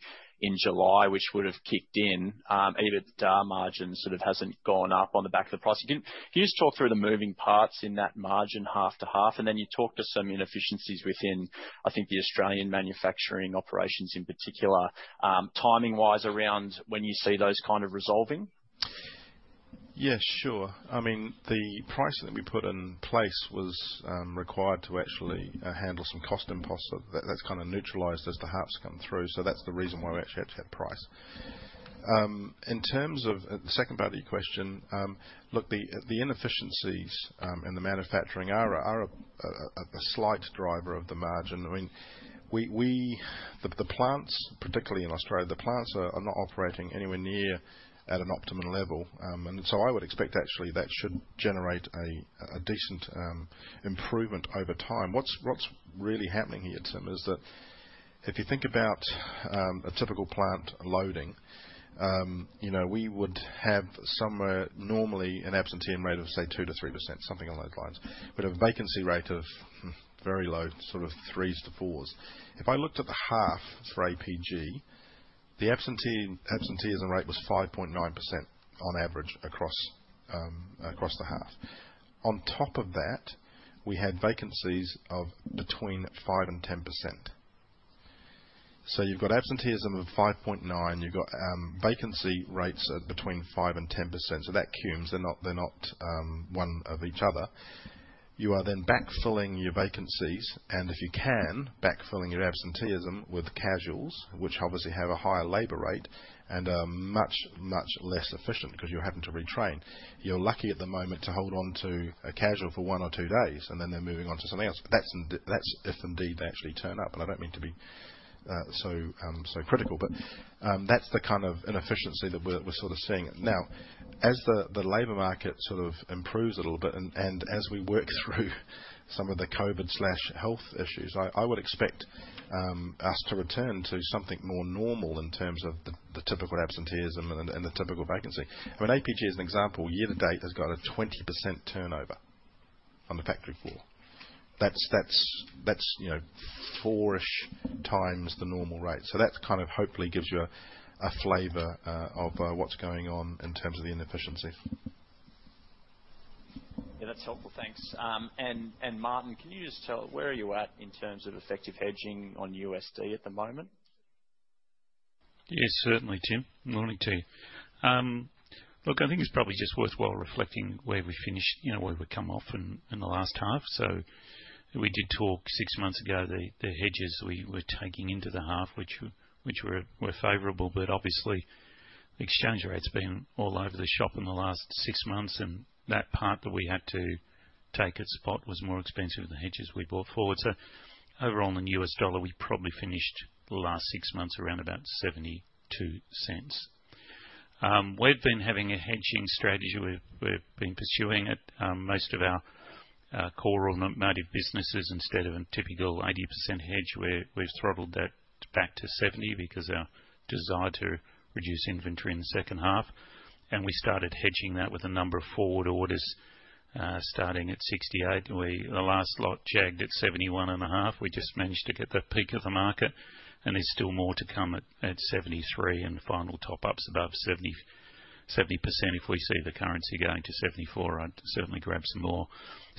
F: July, which would've kicked in. Even the DAR margin sort of hasn't gone up on the back of the price. Can you just talk through the moving parts in that margin half to half? You talked of some inefficiencies within, I think, the Australian manufacturing operations in particular. Timing wise around when you see those kind of resolving?
A: Yeah, sure. I mean, the pricing that we put in place was required to actually handle some cost impulses. That's kinda neutralized as the halves come through. That's the reason why we actually had to have price. In terms of the second part of your question, look, the inefficiencies in the manufacturing are a slight driver of the margin. I mean, the plants, particularly in Australia, the plants are not operating anywhere near at an optimum level. I would expect actually that should generate a decent improvement over time. What's really happening here, Tim, is that if you think about a typical plant loading, you know, we would have somewhere normally an absenteeism rate of, say, 2%-3%, something along those lines. We'd have a vacancy rate of very low, sort of threes to fours. If I looked at the half for APG, the absenteeism rate was 5.9% on average across the half. On top of that, we had vacancies of between 5% and 10%. You've got absenteeism of 5.9%. You've got vacancy rates of between 5% and 10%. That cumes. They're not one of each other. You are backfilling your vacancies and, if you can, backfilling your absenteeism with casuals, which obviously have a higher labor rate and are much, much less efficient because you're having to retrain. You're lucky at the moment to hold onto a casual for one or two days, and then they're moving on to something else. That's if indeed they actually turn up. I don't mean to be so critical. That's the kind of inefficiency that we're sort of seeing. As the labor market sort of improves a little bit and as we work through some of the COVID/health issues, I would expect us to return to something more normal in terms of the typical absenteeism and the typical vacancy. I mean, APG as an example, year to date has got a 20% turnover on the factory floor. That's, you know, 4-ish times the normal rate. That kind of hopefully gives you a flavor of what's going on in terms of the inefficiency.
F: Yeah, that's helpful. Thanks. Martin, can you just tell where are you at in terms of effective hedging on USD at the moment?
B: Yes, certainly Tim. Morning to you. Look, I think it's probably just worthwhile reflecting where we finished, you know, where we've come off in the last half. We did talk six months ago, the hedges we were taking into the half, which were favorable. Obviously exchange rate's been all over the shop in the last six months. That part that we had to take its spot was more expensive than the hedges we brought forward. Overall in the U.S. dollar, we probably finished the last six months around about $0.72. We've been having a hedging strategy. We've been pursuing it. Most of our core native businesses, instead of a typical 80% hedge, we've throttled that back to 70% because our desire to reduce inventory in the second half. We started hedging that with a number of forward orders, starting at 68%. The last lot jagged at 71.5%. We just managed to get the peak of the market and there's still more to come at 73% and final top-ups above 70%. If we see the currency going to 74%, I'd certainly grab some more.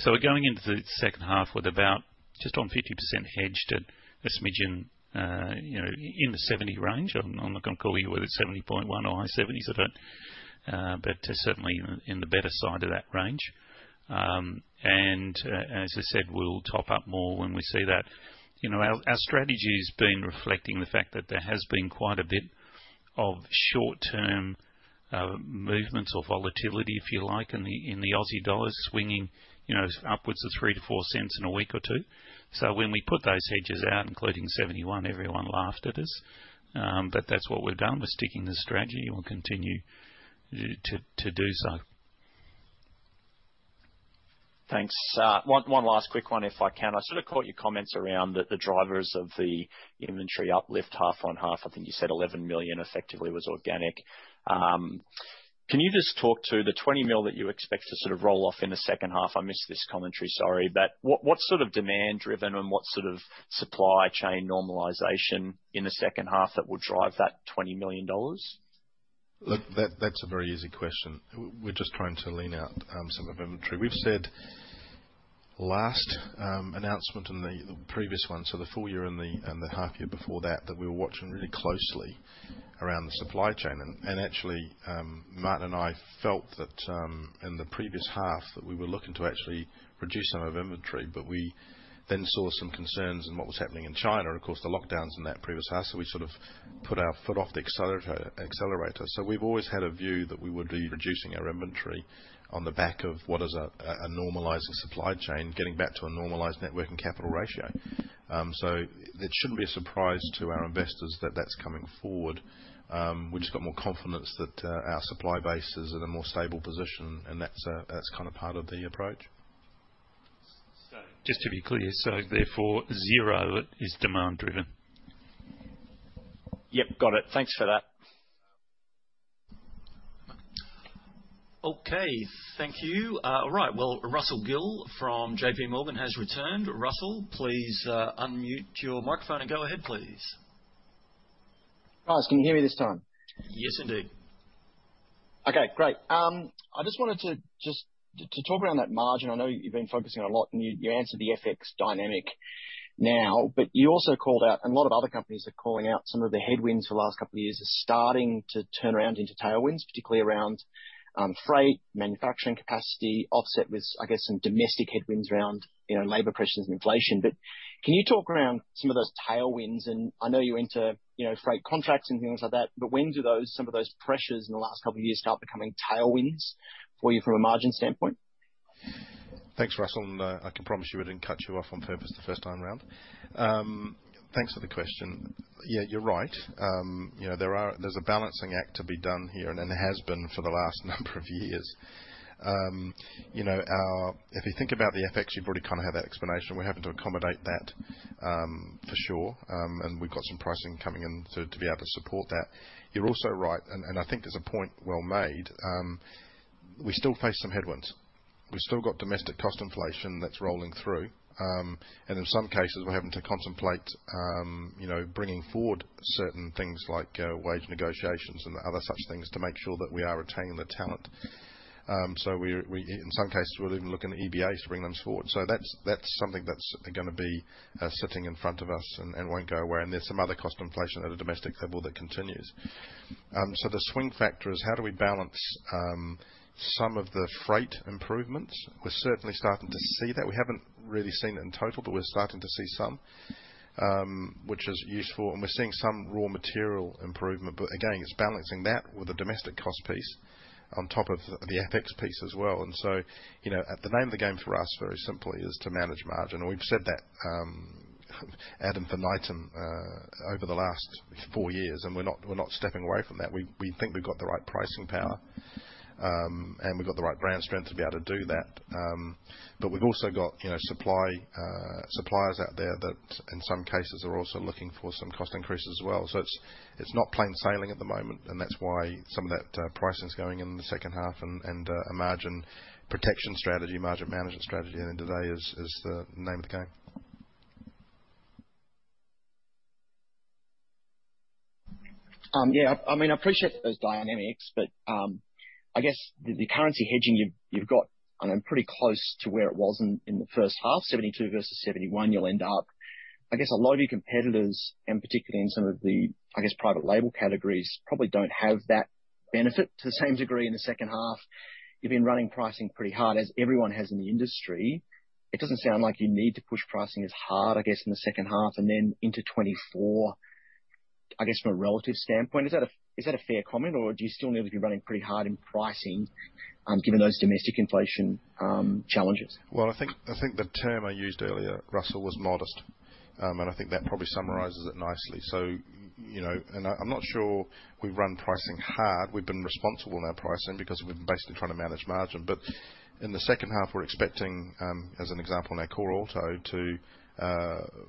B: We're going into the second half with about just on 50% hedged at a smidgen, you know, in the 70 range. I'm not gonna call you whether it's 70.1% or high 70s of it. Certainly in the better side of that range. As I said, we'll top up more when we see that. You know, our strategy's been reflecting the fact that there has been quite a bit of short-term movements or volatility, if you like, in the Aussie dollar swinging, you know, upwards of 0.03-0.04 in a week or two. When we put those hedges out, including 71, everyone laughed at us. That's what we've done. We're sticking to the strategy and we'll continue to do so.
F: Thanks. One last quick one if I can. I sort of caught your comments around that the drivers of the Inventory uplift half on half. I think you said 11 million effectively was organic. Can you just talk to the 20 million that you expect to sort of roll off in the second half? I missed this commentary, sorry, but what's sort of demand driven and what sort of supply chain normalization in the second half that would drive that 20 million dollars?
A: Look, that's a very easy question. We're just trying to lean out some of inventory. We've said last announcement in the previous one, so the full year and the half year before that we were watching really closely around the supply chain. Actually, Martin and I felt that in the previous half that we were looking to actually reduce some of inventory. We then saw some concerns in what was happening in China, of course, the lockdowns in that previous half. We sort of put our foot off the accelerator. We've always had a view that we would be reducing our inventory on the back of what is a normalized supply chain, getting back to a normalized net working capital ratio. It shouldn't be a surprise to our investors that that's coming forward. We've just got more confidence that our supply base is in a more stable position, and that's kind of part of the approach.
B: Just to be clear, so therefore zero is demand driven.
F: Yep, got it. Thanks for that.
C: Okay, thank you. All right, well, Russell Gill from JPMorgan has returned. Russell, please, unmute your microphone and go ahead, please.
G: Guys, can you hear me this time?
B: Yes, indeed.
G: Okay, great. I just wanted to talk around that margin. I know you've been focusing a lot and you answered the FX dynamic now, you also called out and a lot of other companies are calling out some of the headwinds for the last couple of years are starting to turn around into tailwinds, particularly around freight, manufacturing capacity, offset with, I guess, some domestic headwinds around, you know, labor pressures and inflation. Can you talk around some of those tailwinds? I know you enter, you know, freight contracts and things like that, but when do some of those pressures in the last couple of years start becoming tailwinds for you from a margin standpoint?
A: Thanks, Russell, I can promise you I didn't cut you off on purpose the first time around. Thanks for the question. Yeah, you're right. You know, there's a balancing act to be done here and has been for the last number of years. You know, if you think about the FX, you probably kinda have that explanation. We're having to accommodate that for sure. We've got some pricing coming in to be able to support that. You're also right, I think there's a point well made. We still face some headwinds. We've still got domestic cost inflation that's rolling through. In some cases, we're having to contemplate, you know, bringing forward certain things like wage negotiations and other such things to make sure that we are retaining the talent. We, in some cases, we're even looking at EBAs to bring them forward. That's something that's gonna be sitting in front of us and won't go away. There's some other cost inflation at a domestic level that continues. The swing factor is how do we balance some of the freight improvements? We're certainly starting to see that. We haven't really seen it in total, but we're starting to see some, which is useful, and we're seeing some raw material improvement. Again, it's balancing that with a domestic cost piece on top of the FX piece as well. You know, at the name of the game for us very simply is to manage margin. We've said that ad infinitum over the last four years, we're not stepping away from that. We think we've got the right pricing power, and we've got the right brand strength to be able to do that. We've also got, you know, supply, suppliers out there that in some cases are also looking for some cost increases as well. It's not plain sailing at the moment, and that's why some of that, pricing is going in the second half and, a margin protection strategy, margin management strategy at the end of the day is the name of the game.
G: Yeah. I mean, I appreciate those dynamics, but, I guess the currency hedging you've got, I know, pretty close to where it was in the first half, 72 versus 71, you'll end up. I guess a lot of your competitors, and particularly in some of the, I guess, private label categories, probably don't have that benefit to the same degree in the second half. You've been running pricing pretty hard, as everyone has in the industry. It doesn't sound like you need to push pricing as hard, I guess, in the second half and then into 2024, I guess, from a relative standpoint. Is that a fair comment, or do you still need to be running pretty hard in pricing, given those domestic inflation challenges?
A: I think the term I used earlier, Russell, was modest. I think that probably summarizes it nicely. You know, and I'm not sure we've run pricing hard. We've been responsible in our pricing because we've been basically trying to manage margin. In the second half, we're expecting, as an example in our core auto to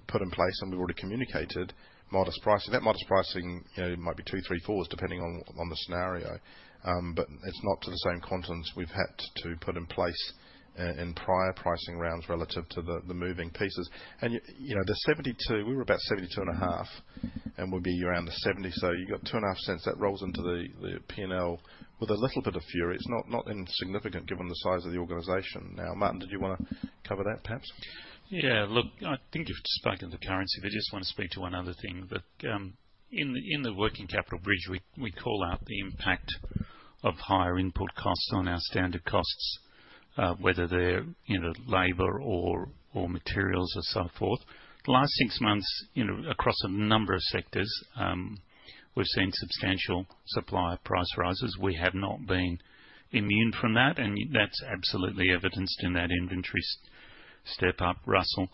A: put in place, and we've already communicated modest pricing. That modest pricing, you know, might be 2, 3, 4 depending on the scenario. It's not to the same countenance we've had to put in place in prior pricing rounds relative to the moving pieces. You know, the 72 cents, we were about seventy-two and a half cents, and we'll be around the 70 cents. You got two and a half cents. That rolls into the P&L with a little bit of fury. It's not insignificant given the size of the organization. Martin, did you wanna cover that perhaps?
B: Yeah. Look, I think you've spoken to currency, but I just wanna speak to one other thing. In the working capital bridge, we call out the impact of higher input costs on our standard costs, whether they're, you know, labor or materials or so forth. The last six months, you know, across a number of sectors, we've seen substantial supplier price rises. We have not been immune from that, and that's absolutely evidenced in that inventory step up, Russell.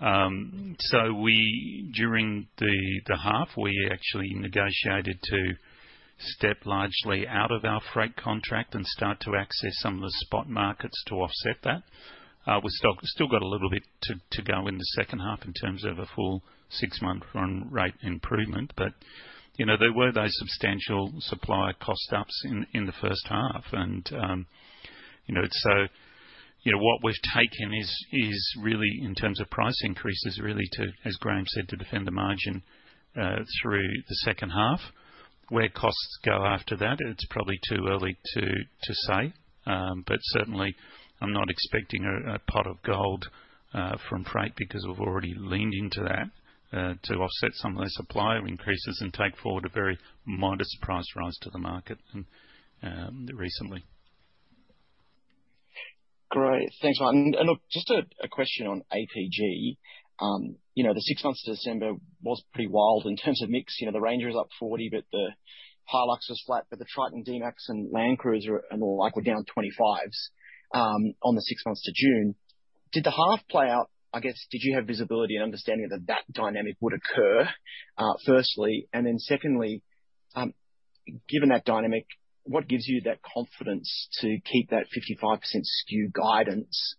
B: We, during the half, we actually negotiated to step largely out of our freight contract and start to access some of the spot markets to offset that. We're still got a little bit to go in the second half in terms of a full six-month run rate improvement. You know, there were those substantial supplier cost ups in the first half. You know, what we've taken is really in terms of price increases, really to, as Graeme said, to defend the margin through the second half. Where costs go after that, it's probably too early to say. Certainly I'm not expecting a pot of gold from freight because we've already leaned into that to offset some of those supplier increases and take forward a very modest price rise to the market and recently.
G: Great. Thanks, Martin. Look, just a question on APG. You know, the six months to December was pretty wild in terms of mix. You know, the Ranger is up 40, but the HiLux was flat, but the Triton, D-MAX and Land Cruiser and all like were down 25s, on the six months to June. Did the half play out? I guess, did you have visibility and understanding that that dynamic would occur, firstly? Then secondly, given that dynamic, what gives you that confidence to keep that 55% skew guidance,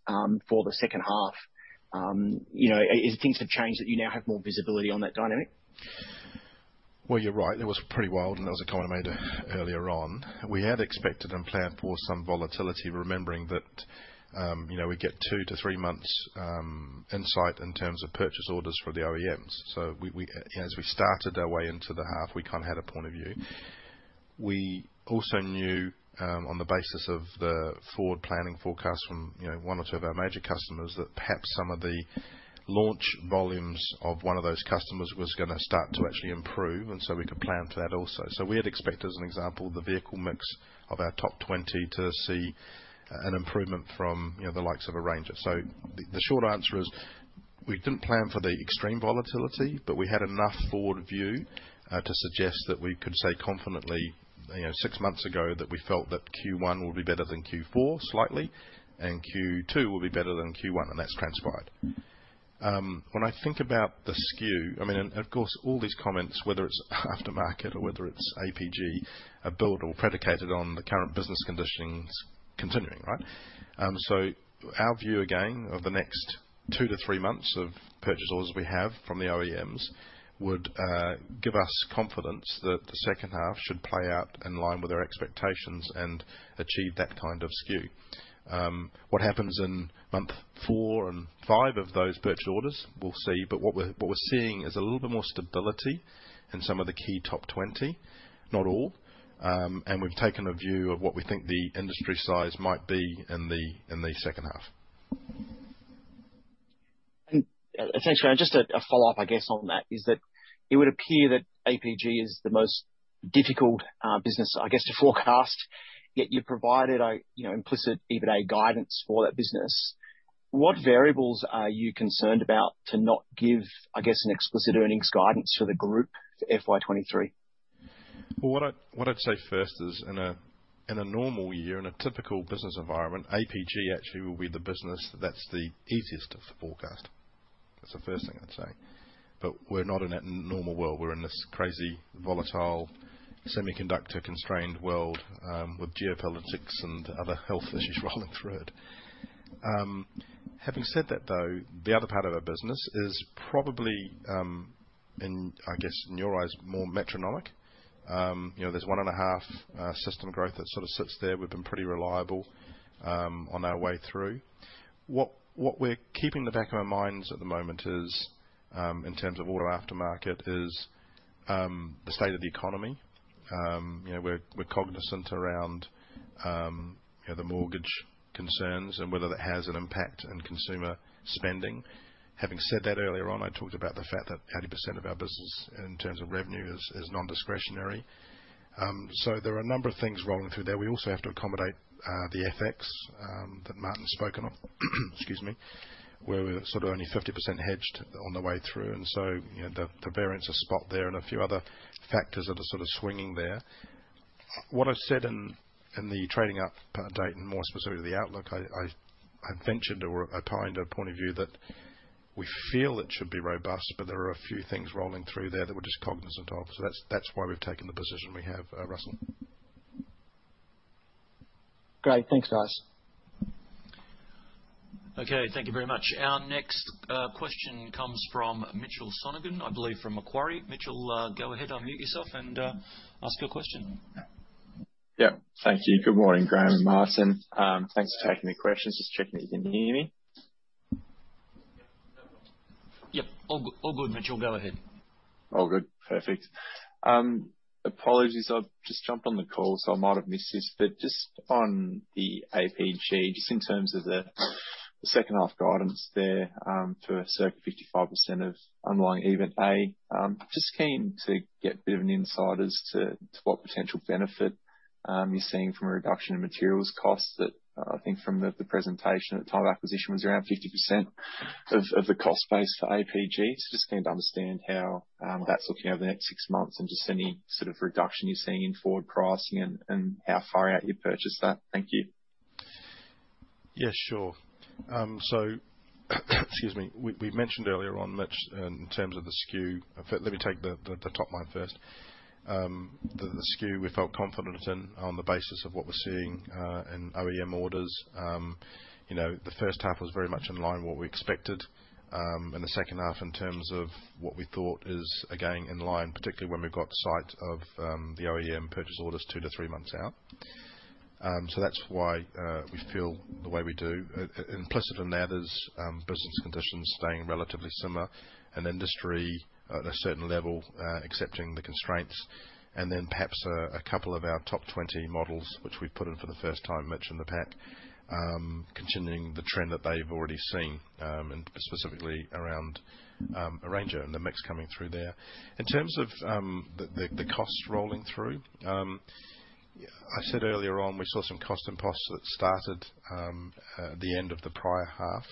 G: for the second half? You know, is it things have changed that you now have more visibility on that dynamic?
A: Well, you're right, it was pretty wild. That was a comment I made earlier on. We had expected and planned for some volatility, remembering that, you know, we get two to three months insight in terms of purchase orders for the OEMs. We, as we started our way into the half, we kind of had a point of view. We also knew on the basis of the forward planning forecast from, you know, one or two of our major customers that perhaps some of the launch volumes of one of those customers was gonna start to actually improve. We could plan for that also. We had expected, as an example, the vehicle mix of our top 20 to see an improvement from, you know, the likes of a Ranger. The short answer is we didn't plan for the extreme volatility, but we had enough forward view to suggest that we could say confidently, you know, six months ago that we felt that Q1 will be better than Q4 slightly, and Q2 will be better than Q1, and that's transpired. When I think about the skew, I mean, of course, all these comments, whether it's aftermarket or whether it's APG, are built or predicated on the current business conditions continuing, right? Our view again, of the next two to three months of purchase orders we have from the OEMs would give us confidence that the second half should play out in line with our expectations and achieve that kind of skew. What happens in month four and five of those purchase orders? We'll see. What we're seeing is a little bit more stability in some of the key top 20, not all. And we've taken a view of what we think the industry size might be in the second half.
G: Thanks, Graeme. Just a follow-up, I guess, on that is that it would appear that APG is the most difficult business, I guess, to forecast, yet you provided a, you know, implicit EBITA guidance for that business. What variables are you concerned about to not give, I guess, an explicit earnings guidance for the group for FY 2023?
A: What I'd say first is in a normal year, in a typical business environment, APG actually will be the business that's the easiest to forecast. That's the first thing I'd say. We're not in a normal world. We're in this crazy, volatile, semiconductor-constrained world, with geopolitics and other health issues rolling through it. Having said that though, the other part of our business is probably, in I guess, in your eyes, more metronomic. You know, there's one and a half system growth that sort of sits there. We've been pretty reliable on our way through. What we're keeping in the back of our minds at the moment is in terms of Auto Aftermarket, is the state of the economy. You know, we're cognizant around, you know, the mortgage concerns and whether that has an impact on consumer spending. Having said that, earlier on, I talked about the fact that 80% of our business in terms of revenue is non-discretionary. There are a number of things rolling through there. We also have to accommodate the FX that Martin's spoken of, excuse me, where we're sort of only 50% hedged on the way through. You know, the variance of spot there and a few other factors that are sort of swinging there. What I've said in the trading update, and more specifically the outlook, I ventured or opined a point of view that we feel it should be robust, but there are a few things rolling through there that we're just cognizant of. That's why we've taken the position we have, Russell.
G: Great. Thanks, guys.
C: Okay. Thank you very much. Our next question comes from Mitchell Sonogan, I believe from Macquarie. Mitchell, go ahead. Unmute yourself and ask your question.
H: Yeah. Thank you. Good morning, Graeme and Martin. Thanks for taking the questions. Just checking if you can hear me.
B: Yeah. All good, Mitchell. Go ahead.
H: All good. Perfect. Apologies, I've just jumped on the call, so I might have missed this, but just on the APG, just in terms of the second half guidance there, to a circa 55% of underlying EBITDA, just keen to get a bit of an insight as to what potential benefit, you're seeing from a reduction in materials costs that I think from the presentation at the time of acquisition was around 50% of the cost base for APG. Just keen to understand how, that's looking over the next six months and just any sort of reduction you're seeing in forward pricing and how far out you'd purchase that. Thank you.
A: Yeah, sure. Excuse me. We mentioned earlier on, Mitch, in terms of the skew. In fact, let me take the top line first. The skew we felt confident in on the basis of what we're seeing in OEM orders. You know, the first half was very much in line what we expected. The second half in terms of what we thought is again, in line, particularly when we've got sight of the OEM purchase orders 2-3 months out. That's why we feel the way we do. Implicit in that is business conditions staying relatively similar and industry at a certain level accepting the constraints. Perhaps a couple of our top 20 models which we've put in for the first time, Mitch, in the pack, continuing the trend that they've already seen, and specifically around a Ranger and the mix coming through there. In terms of the costs rolling through, I said earlier on we saw some cost impulses that started the end of the prior half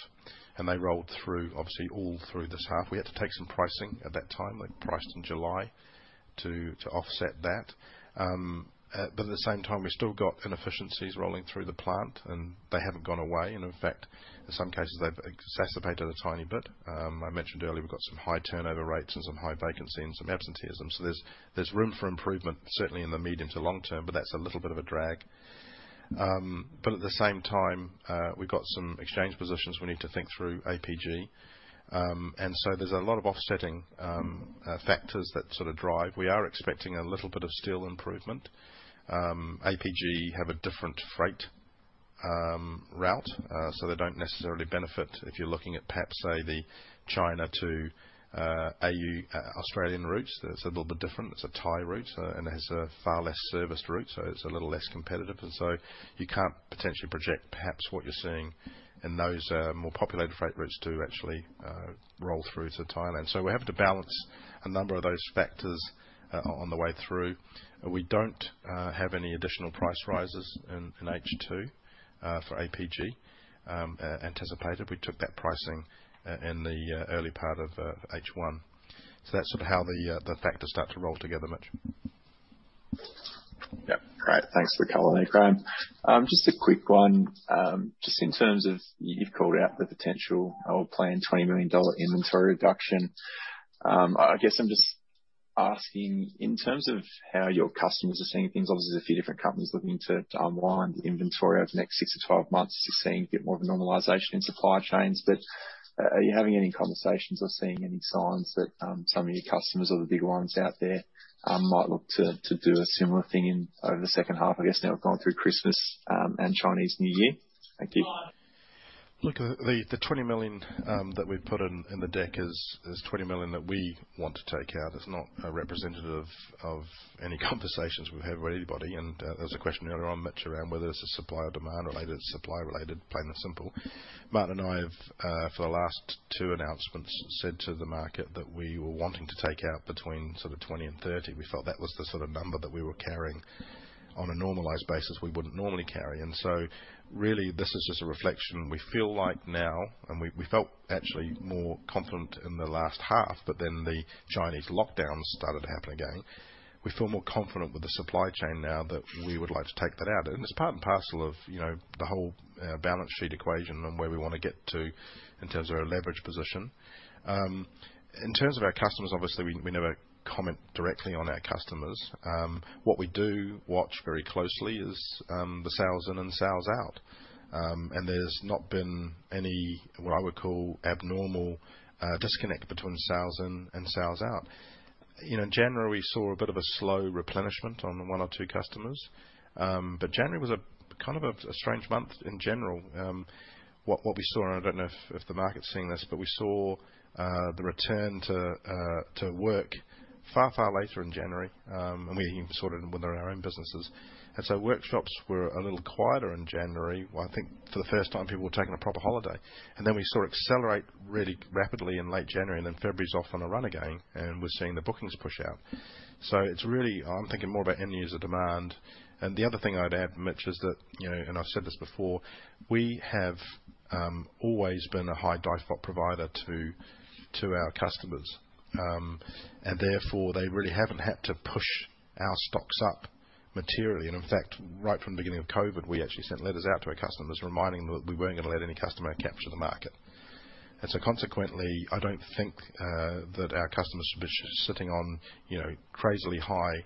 A: and they rolled through, obviously all through this half. We had to take some pricing at that time. We priced in July to offset that. At the same time, we've still got inefficiencies rolling through the plant and they haven't gone away. In fact, in some cases, they've exacerbated a tiny bit. I mentioned earlier, we've got some high turnover rates and some high vacancy and some absenteeism. There's room for improvement, certainly in the medium to long term, but that's a little bit of a drag. At the same time, we've got some exchange positions we need to think through APG. There's a lot of offsetting factors that sort of drive. We are expecting a little bit of steel improvement. APG have a different freight route, so they don't necessarily benefit. If you're looking at perhaps, say, the China to AU Australian routes, it's a little bit different. It's a Thai route and has a far less serviced route, so it's a little less competitive. You can't potentially project perhaps what you're seeing in those more populated freight routes to actually roll through to Thailand. we're having to balance a number of those factors on the way through. We don't have any additional price rises in H2 for APG anticipated. We took that pricing in the early part of H1. That's sort of how the factors start to roll together, Mitch.
H: Yeah. Great. Thanks for coloring that, Graeme. Just a quick one. Just in terms of you've called out the potential or planned 20 million dollar inventory reduction. I guess I'm just asking in terms of how your customers are seeing things, obviously there's a few different companies looking to unwind inventory over the next six to twelve months, just seeing a bit more of a normalization in supply chains. Are you having any conversations or seeing any signs that some of your customers or the big ones out there might look to do a similar thing in, over the second half, I guess now we've gone through Christmas and Chinese New Year? Thank you.
A: The 20 million that we've put in the deck is 20 million that we want to take out. It's not a representative of any conversations we've had with anybody. There was a question earlier on, Mitch, around whether this is supply or demand related. Supply related, plain and simple. Martin and I have for the last two announcements, said to the market that we were wanting to take out between sort of 20 and 30. We felt that was the sort of number that we were carrying on a normalized basis we wouldn't normally carry. Really this is just a reflection. We feel like now we felt actually more confident in the last half, the Chinese lockdowns started to happen again. We feel more confident with the supply chain now that we would like to take that out. It's part and parcel of, you know, the whole balance sheet equation and where we wanna get to in terms of our leverage position. In terms of our customers, obviously we never comment directly on our customers. What we do watch very closely is the sales in and sales out. There's not been any, what I would call abnormal disconnect between sales in and sales out. You know, in January, we saw a bit of a slow replenishment on one or two customers. January was a kind of a strange month in general. What we saw, and I don't know if the market's seeing this, but we saw the return to work far later in January. We even saw it within our own businesses. Workshops were a little quieter in January. Well, I think for the first time people were taking a proper holiday. Then we saw it accelerate really rapidly in late January and then February's off on a run again and we're seeing the bookings push out. It's really, I'm thinking more about end user demand. The other thing I'd add, Mitch, is that, you know, and I've said this before, we have always been a high DIFOT provider to our customers. Therefore they really haven't had to push our stocks up materially. In fact, right from the beginning of COVID, we actually sent letters out to our customers reminding them that we weren't gonna let any customer capture the market. Consequently, I don't think that our customers should be sitting on, you know, crazily high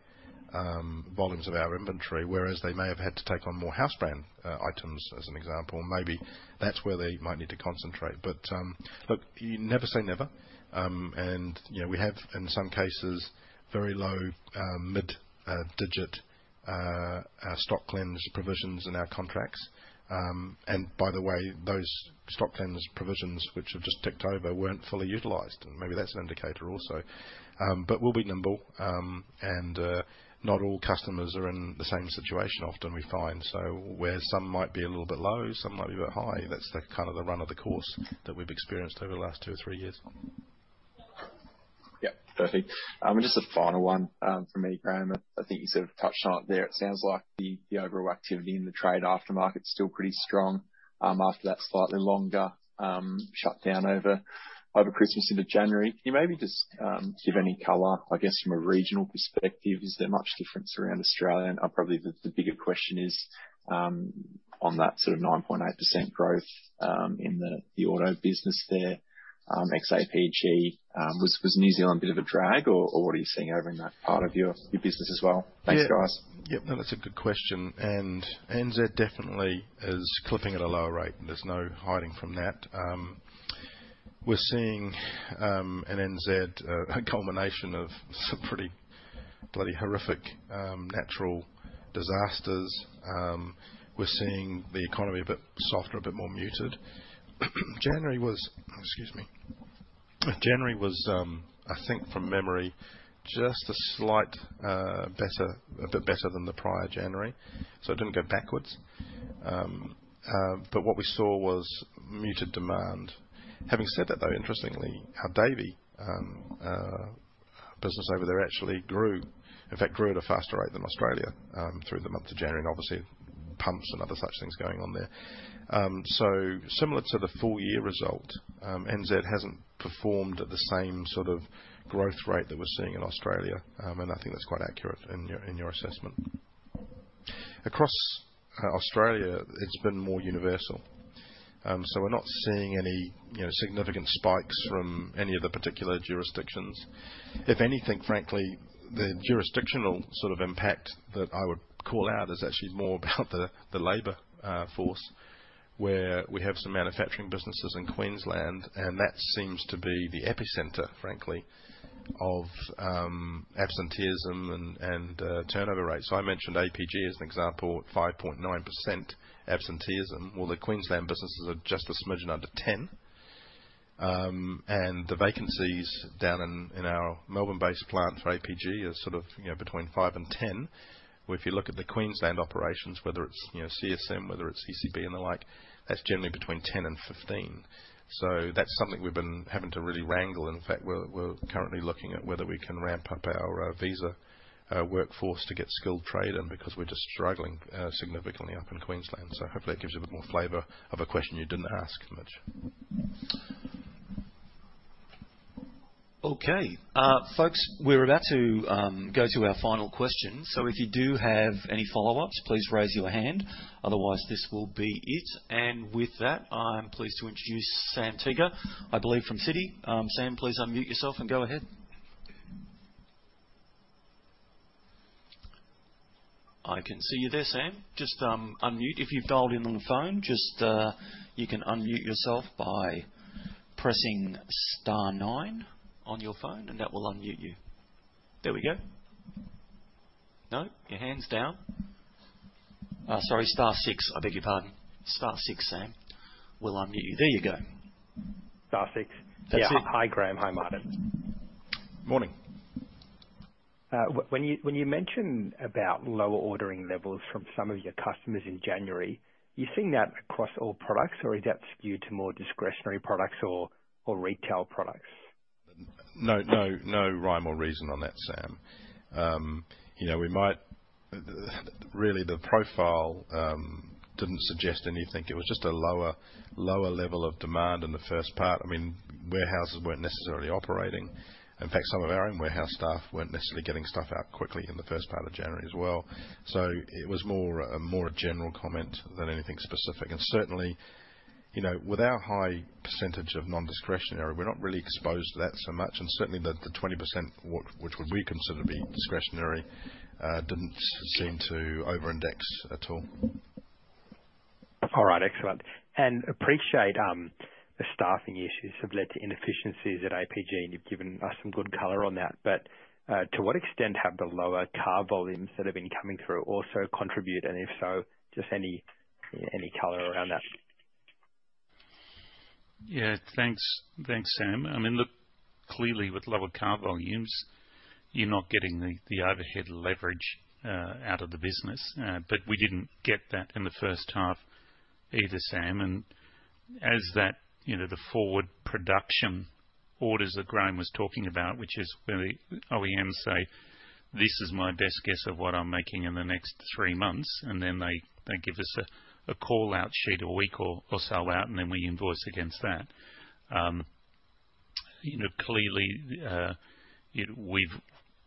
A: volumes of our inventory. Whereas they may have had to take on more house brand items as an example. Maybe that's where they might need to concentrate. Look, you never say never. You know, we have in some cases, very low mid digit stock cleanse provisions in our contracts. By the way, those stock cleanse provisions which have just ticked over weren't fully utilized and maybe that's an indicator also. We'll be nimble. Not all customers are in the same situation often we find. Where some might be a little bit low, some might be a bit high. That's the kind of the run of the course that we've experienced over the last two or three years.
H: Yeah. Perfect. Just a final one from me, Graeme. I think you sort of touched on it there. It sounds like the overall activity in the trade aftermarket's still pretty strong after that slightly longer shutdown over Christmas into January. Can you maybe just give any color, I guess, from a regional perspective? Is there much difference around Australia? Probably the bigger question is on that sort of 9.8% growth in the auto business there, ex-APG. Was New Zealand a bit of a drag or what are you seeing over in that part of your business as well? Thanks, guys.
A: No, that's a good question. NZ definitely is clipping at a lower rate. There's no hiding from that. We're seeing in NZ a culmination of some pretty bloody horrific natural disasters. We're seeing the economy a bit softer, a bit more muted. January was, I think from memory, just a slight better, a bit better than the prior January, so it didn't go backwards. What we saw was muted demand. Having said that, though, interestingly, our Davey business over there actually grew. In fact, grew at a faster rate than Australia through the month of January, and obviously pumps and other such things going on there. Similar to the full-year result, NZ hasn't performed at the same sort of growth rate that we're seeing in Australia. I think that's quite accurate in your, in your assessment. Across Australia, it's been more universal. We're not seeing any, you know, significant spikes from any of the particular jurisdictions. If anything, frankly, the jurisdictional sort of impact that I would call out is actually more about the labor force. Where we have some manufacturing businesses in Queensland, and that seems to be the epicenter, frankly, of absenteeism and turnover rates. I mentioned APG as an example at 5.9% absenteeism. The Queensland businesses are just a smidgen under 10. The vacancies down in our Melbourne-based plant for APG are sort of, you know, between 5 and 10. If you look at the Queensland operations, whether it's, you know, CSM, whether it's ECB and the like, that's generally between 10 and 15. That's something we've been having to really wrangle. In fact, we're currently looking at whether we can ramp up our visa workforce to get skilled trade in because we're just struggling significantly up in Queensland. Hopefully that gives you a bit more flavor of a question you didn't ask, Mitch.
C: Okay. Folks, we're about to go to our final question. If you do have any follow-ups, please raise your hand. Otherwise, this will be it. With that, I'm pleased to introduce Sam Teeger, I believe, from Citi. Sam, please unmute yourself and go ahead. I can see you there, Sam. Just unmute. If you've dialed in on the phone, just you can unmute yourself by pressing star nine on your phone, that will unmute you. There we go. No? Your hand's down. Sorry, star six. I beg your pardon. Star six, Sam, will unmute you. There you go.
I: Star six.
C: That's it.
I: Yeah. Hi, Graeme. Hi, Martin.
A: Morning.
I: When you mention about lower ordering levels from some of your customers in January, are you seeing that across all products or is that skewed to more discretionary products or retail products?
B: No, no rhyme or reason on that, Sam. you know, really the profile didn't suggest anything. It was just a lower level of demand in the first part. I mean, warehouses weren't necessarily operating. In fact, some of our own warehouse staff weren't necessarily getting stuff out quickly in the first part of January as well. It was more a general comment than anything specific. Certainly, you know, with our high percentage of nondiscretionary, we're not really exposed to that so much. Certainly the 20%, which would we consider to be discretionary, didn't seem to over-index at all.
I: All right. Excellent. Appreciate, the staffing issues have led to inefficiencies at APG, and you've given us some good color on that. To what extent have the lower car volumes that have been coming through also contribute? If so, just any color around that?
B: Thanks. Thanks, Sam. I mean, look, clearly with lower car volumes, you're not getting the overhead leverage out of the business. We didn't get that in the first half either, Sam. As that, you know, the forward production orders that Graeme was talking about, which is where the OEMs say, "This is my best guess of what I'm making in the next three months." Then they give us a call-out sheet a week or so out, and then we invoice against that. You know, clearly,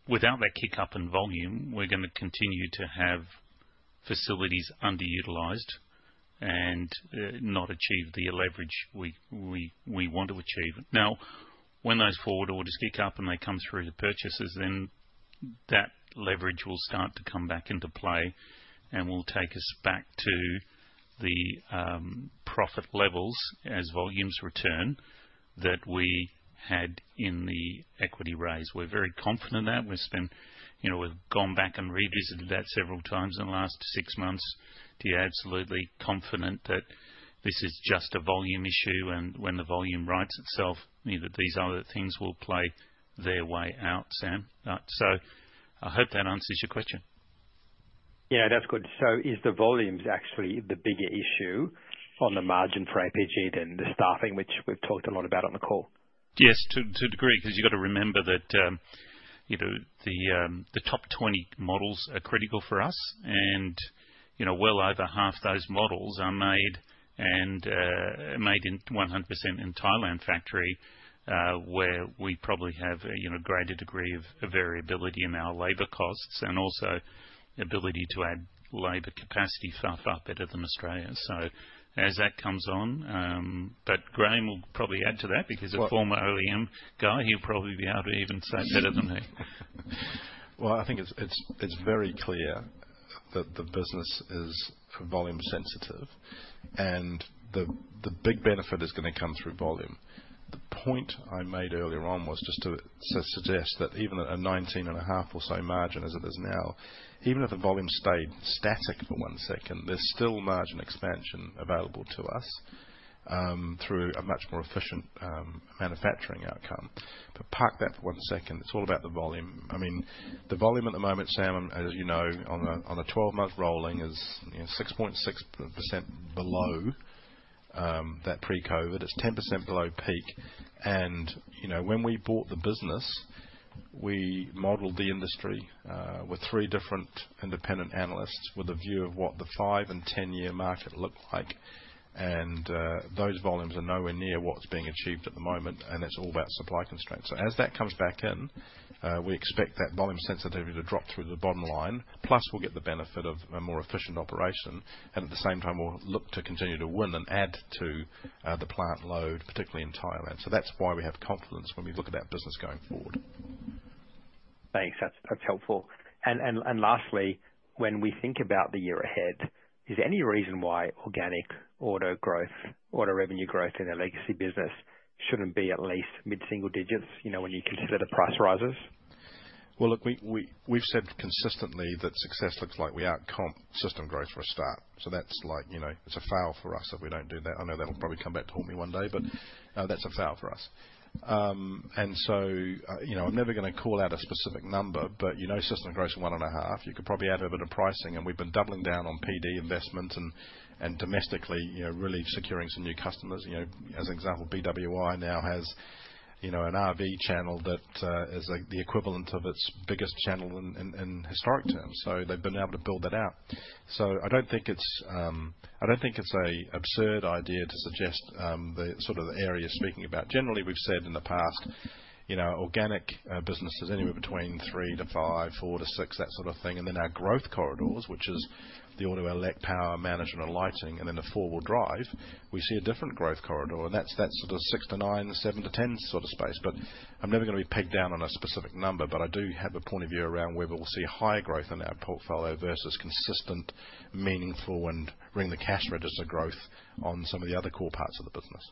B: without that kick-up in volume, we're gonna continue to have facilities underutilized and not achieve the leverage we want to achieve. When those forward orders kick up and they come through to purchases, then that leverage will start to come back into play and will take us back to the profit levels as volumes return that we had in the equity raise. We're very confident in that. We've spent, you know, we've gone back and revisited that several times in the last six months to be absolutely confident that this is just a volume issue and when the volume rights itself, you know, these other things will play their way out, Sam. I hope that answers your question.
I: Yeah, that's good. Is the volumes actually the bigger issue on the margin for APG than the staffing, which we've talked a lot about on the call?
B: Yes, to a degree, because you've got to remember that, you know, the top 20 models are critical for us. Well over half those models are made 100% in Thailand factory, where we probably have a, you know, greater degree of variability in our labor costs and also ability to add labor capacity far better than Australia. As that comes on. Graeme will probably add to that. A former OEM guy, he'll probably be able to even say it better than me.
A: Well, I think it's very clear that the business is volume sensitive and the big benefit is gonna come through volume. The point I made earlier on was just to suggest that even at a 19.5% or so margin as it is now, even if the volume stayed static for one second, there's still margin expansion available to us through a much more efficient manufacturing outcome. Park that for one second. It's all about the volume. I mean, the volume at the moment, Sam, as you know, on a 12-month rolling is, you know, 6.6% below that pre-COVID. It's 10% below peak. You know, when we bought the business, we modeled the industry with three different independent analysts with a view of what the five and 10-year market looked like. Those volumes are nowhere near what's being achieved at the moment, and it's all about supply constraints. As that comes back in, we expect that volume sensitivity to drop through to the bottom line. Plus, we'll get the benefit of a more efficient operation. At the same time, we'll look to continue to win and add to the plant load, particularly in Thailand. That's why we have confidence when we look at that business going forward.
I: Thanks. That's helpful. Lastly, when we think about the year ahead, is there any reason why organic auto growth, auto revenue growth in a legacy business shouldn't be at least mid-single digits, you know, when you consider price rises?
A: Well, look, we've said consistently that success looks like we outcome system growth for a start. That's like, you know, it's a fail for us if we don't do that. I know that'll probably come back to haunt me one day, but that's a fail for us. You know, I'm never gonna call out a specific number, but you know system growth 1.5%. You could probably add a bit of pricing, and we've been doubling down on PD investment and domestically, you know, really securing some new customers. You know, as an example, BWI now has, you know, an RV channel that is like the equivalent of its biggest channel in historic terms. They've been able to build that out. I don't think it's a absurd idea to suggest the sort of the area speaking about. Generally, we've said in the past, you know, organic business is anywhere between 3%-5%, 4%-6%, that sort of thing. Our growth corridors, which is the auto elect, power management and lighting, and then the four-wheel drive, we see a different growth corridor. That's the 6%-9%, 7%-10% sort of space. I'm never gonna be pegged down on a specific number. I do have a point of view around where we'll see higher growth in our portfolio versus consistent, meaningful, and ring the cash register growth on some of the other core parts of the business.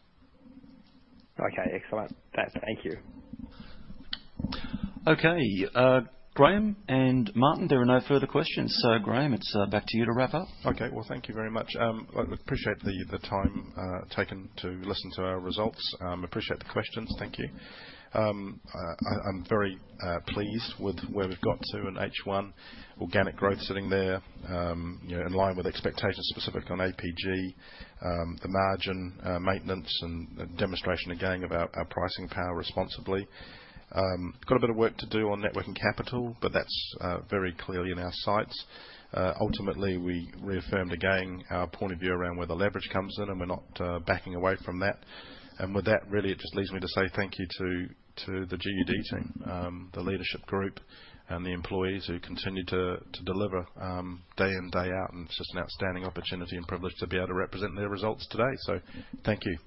I: Okay. Excellent. Thank you.
C: Okay. Graeme and Martin, there are no further questions. Graeme, it's back to you to wrap up.
A: Okay. Well, thank you very much. I appreciate the time taken to listen to our results. Appreciate the questions. Thank you. I'm very pleased with where we've got to in H1. Organic growth sitting there, you know, in line with expectations specific on APG. The margin maintenance and demonstration again of our pricing power responsibly. Got a bit of work to do on net working capital, that's very clearly in our sights. Ultimately, we reaffirmed again our point of view around where the leverage comes in, we're not backing away from that. With that, really it just leaves me to say thank you to the GUD team, the leadership group and the employees who continue to deliver day in, day out. It's just an outstanding opportunity and privilege to be able to represent their results today. Thank you.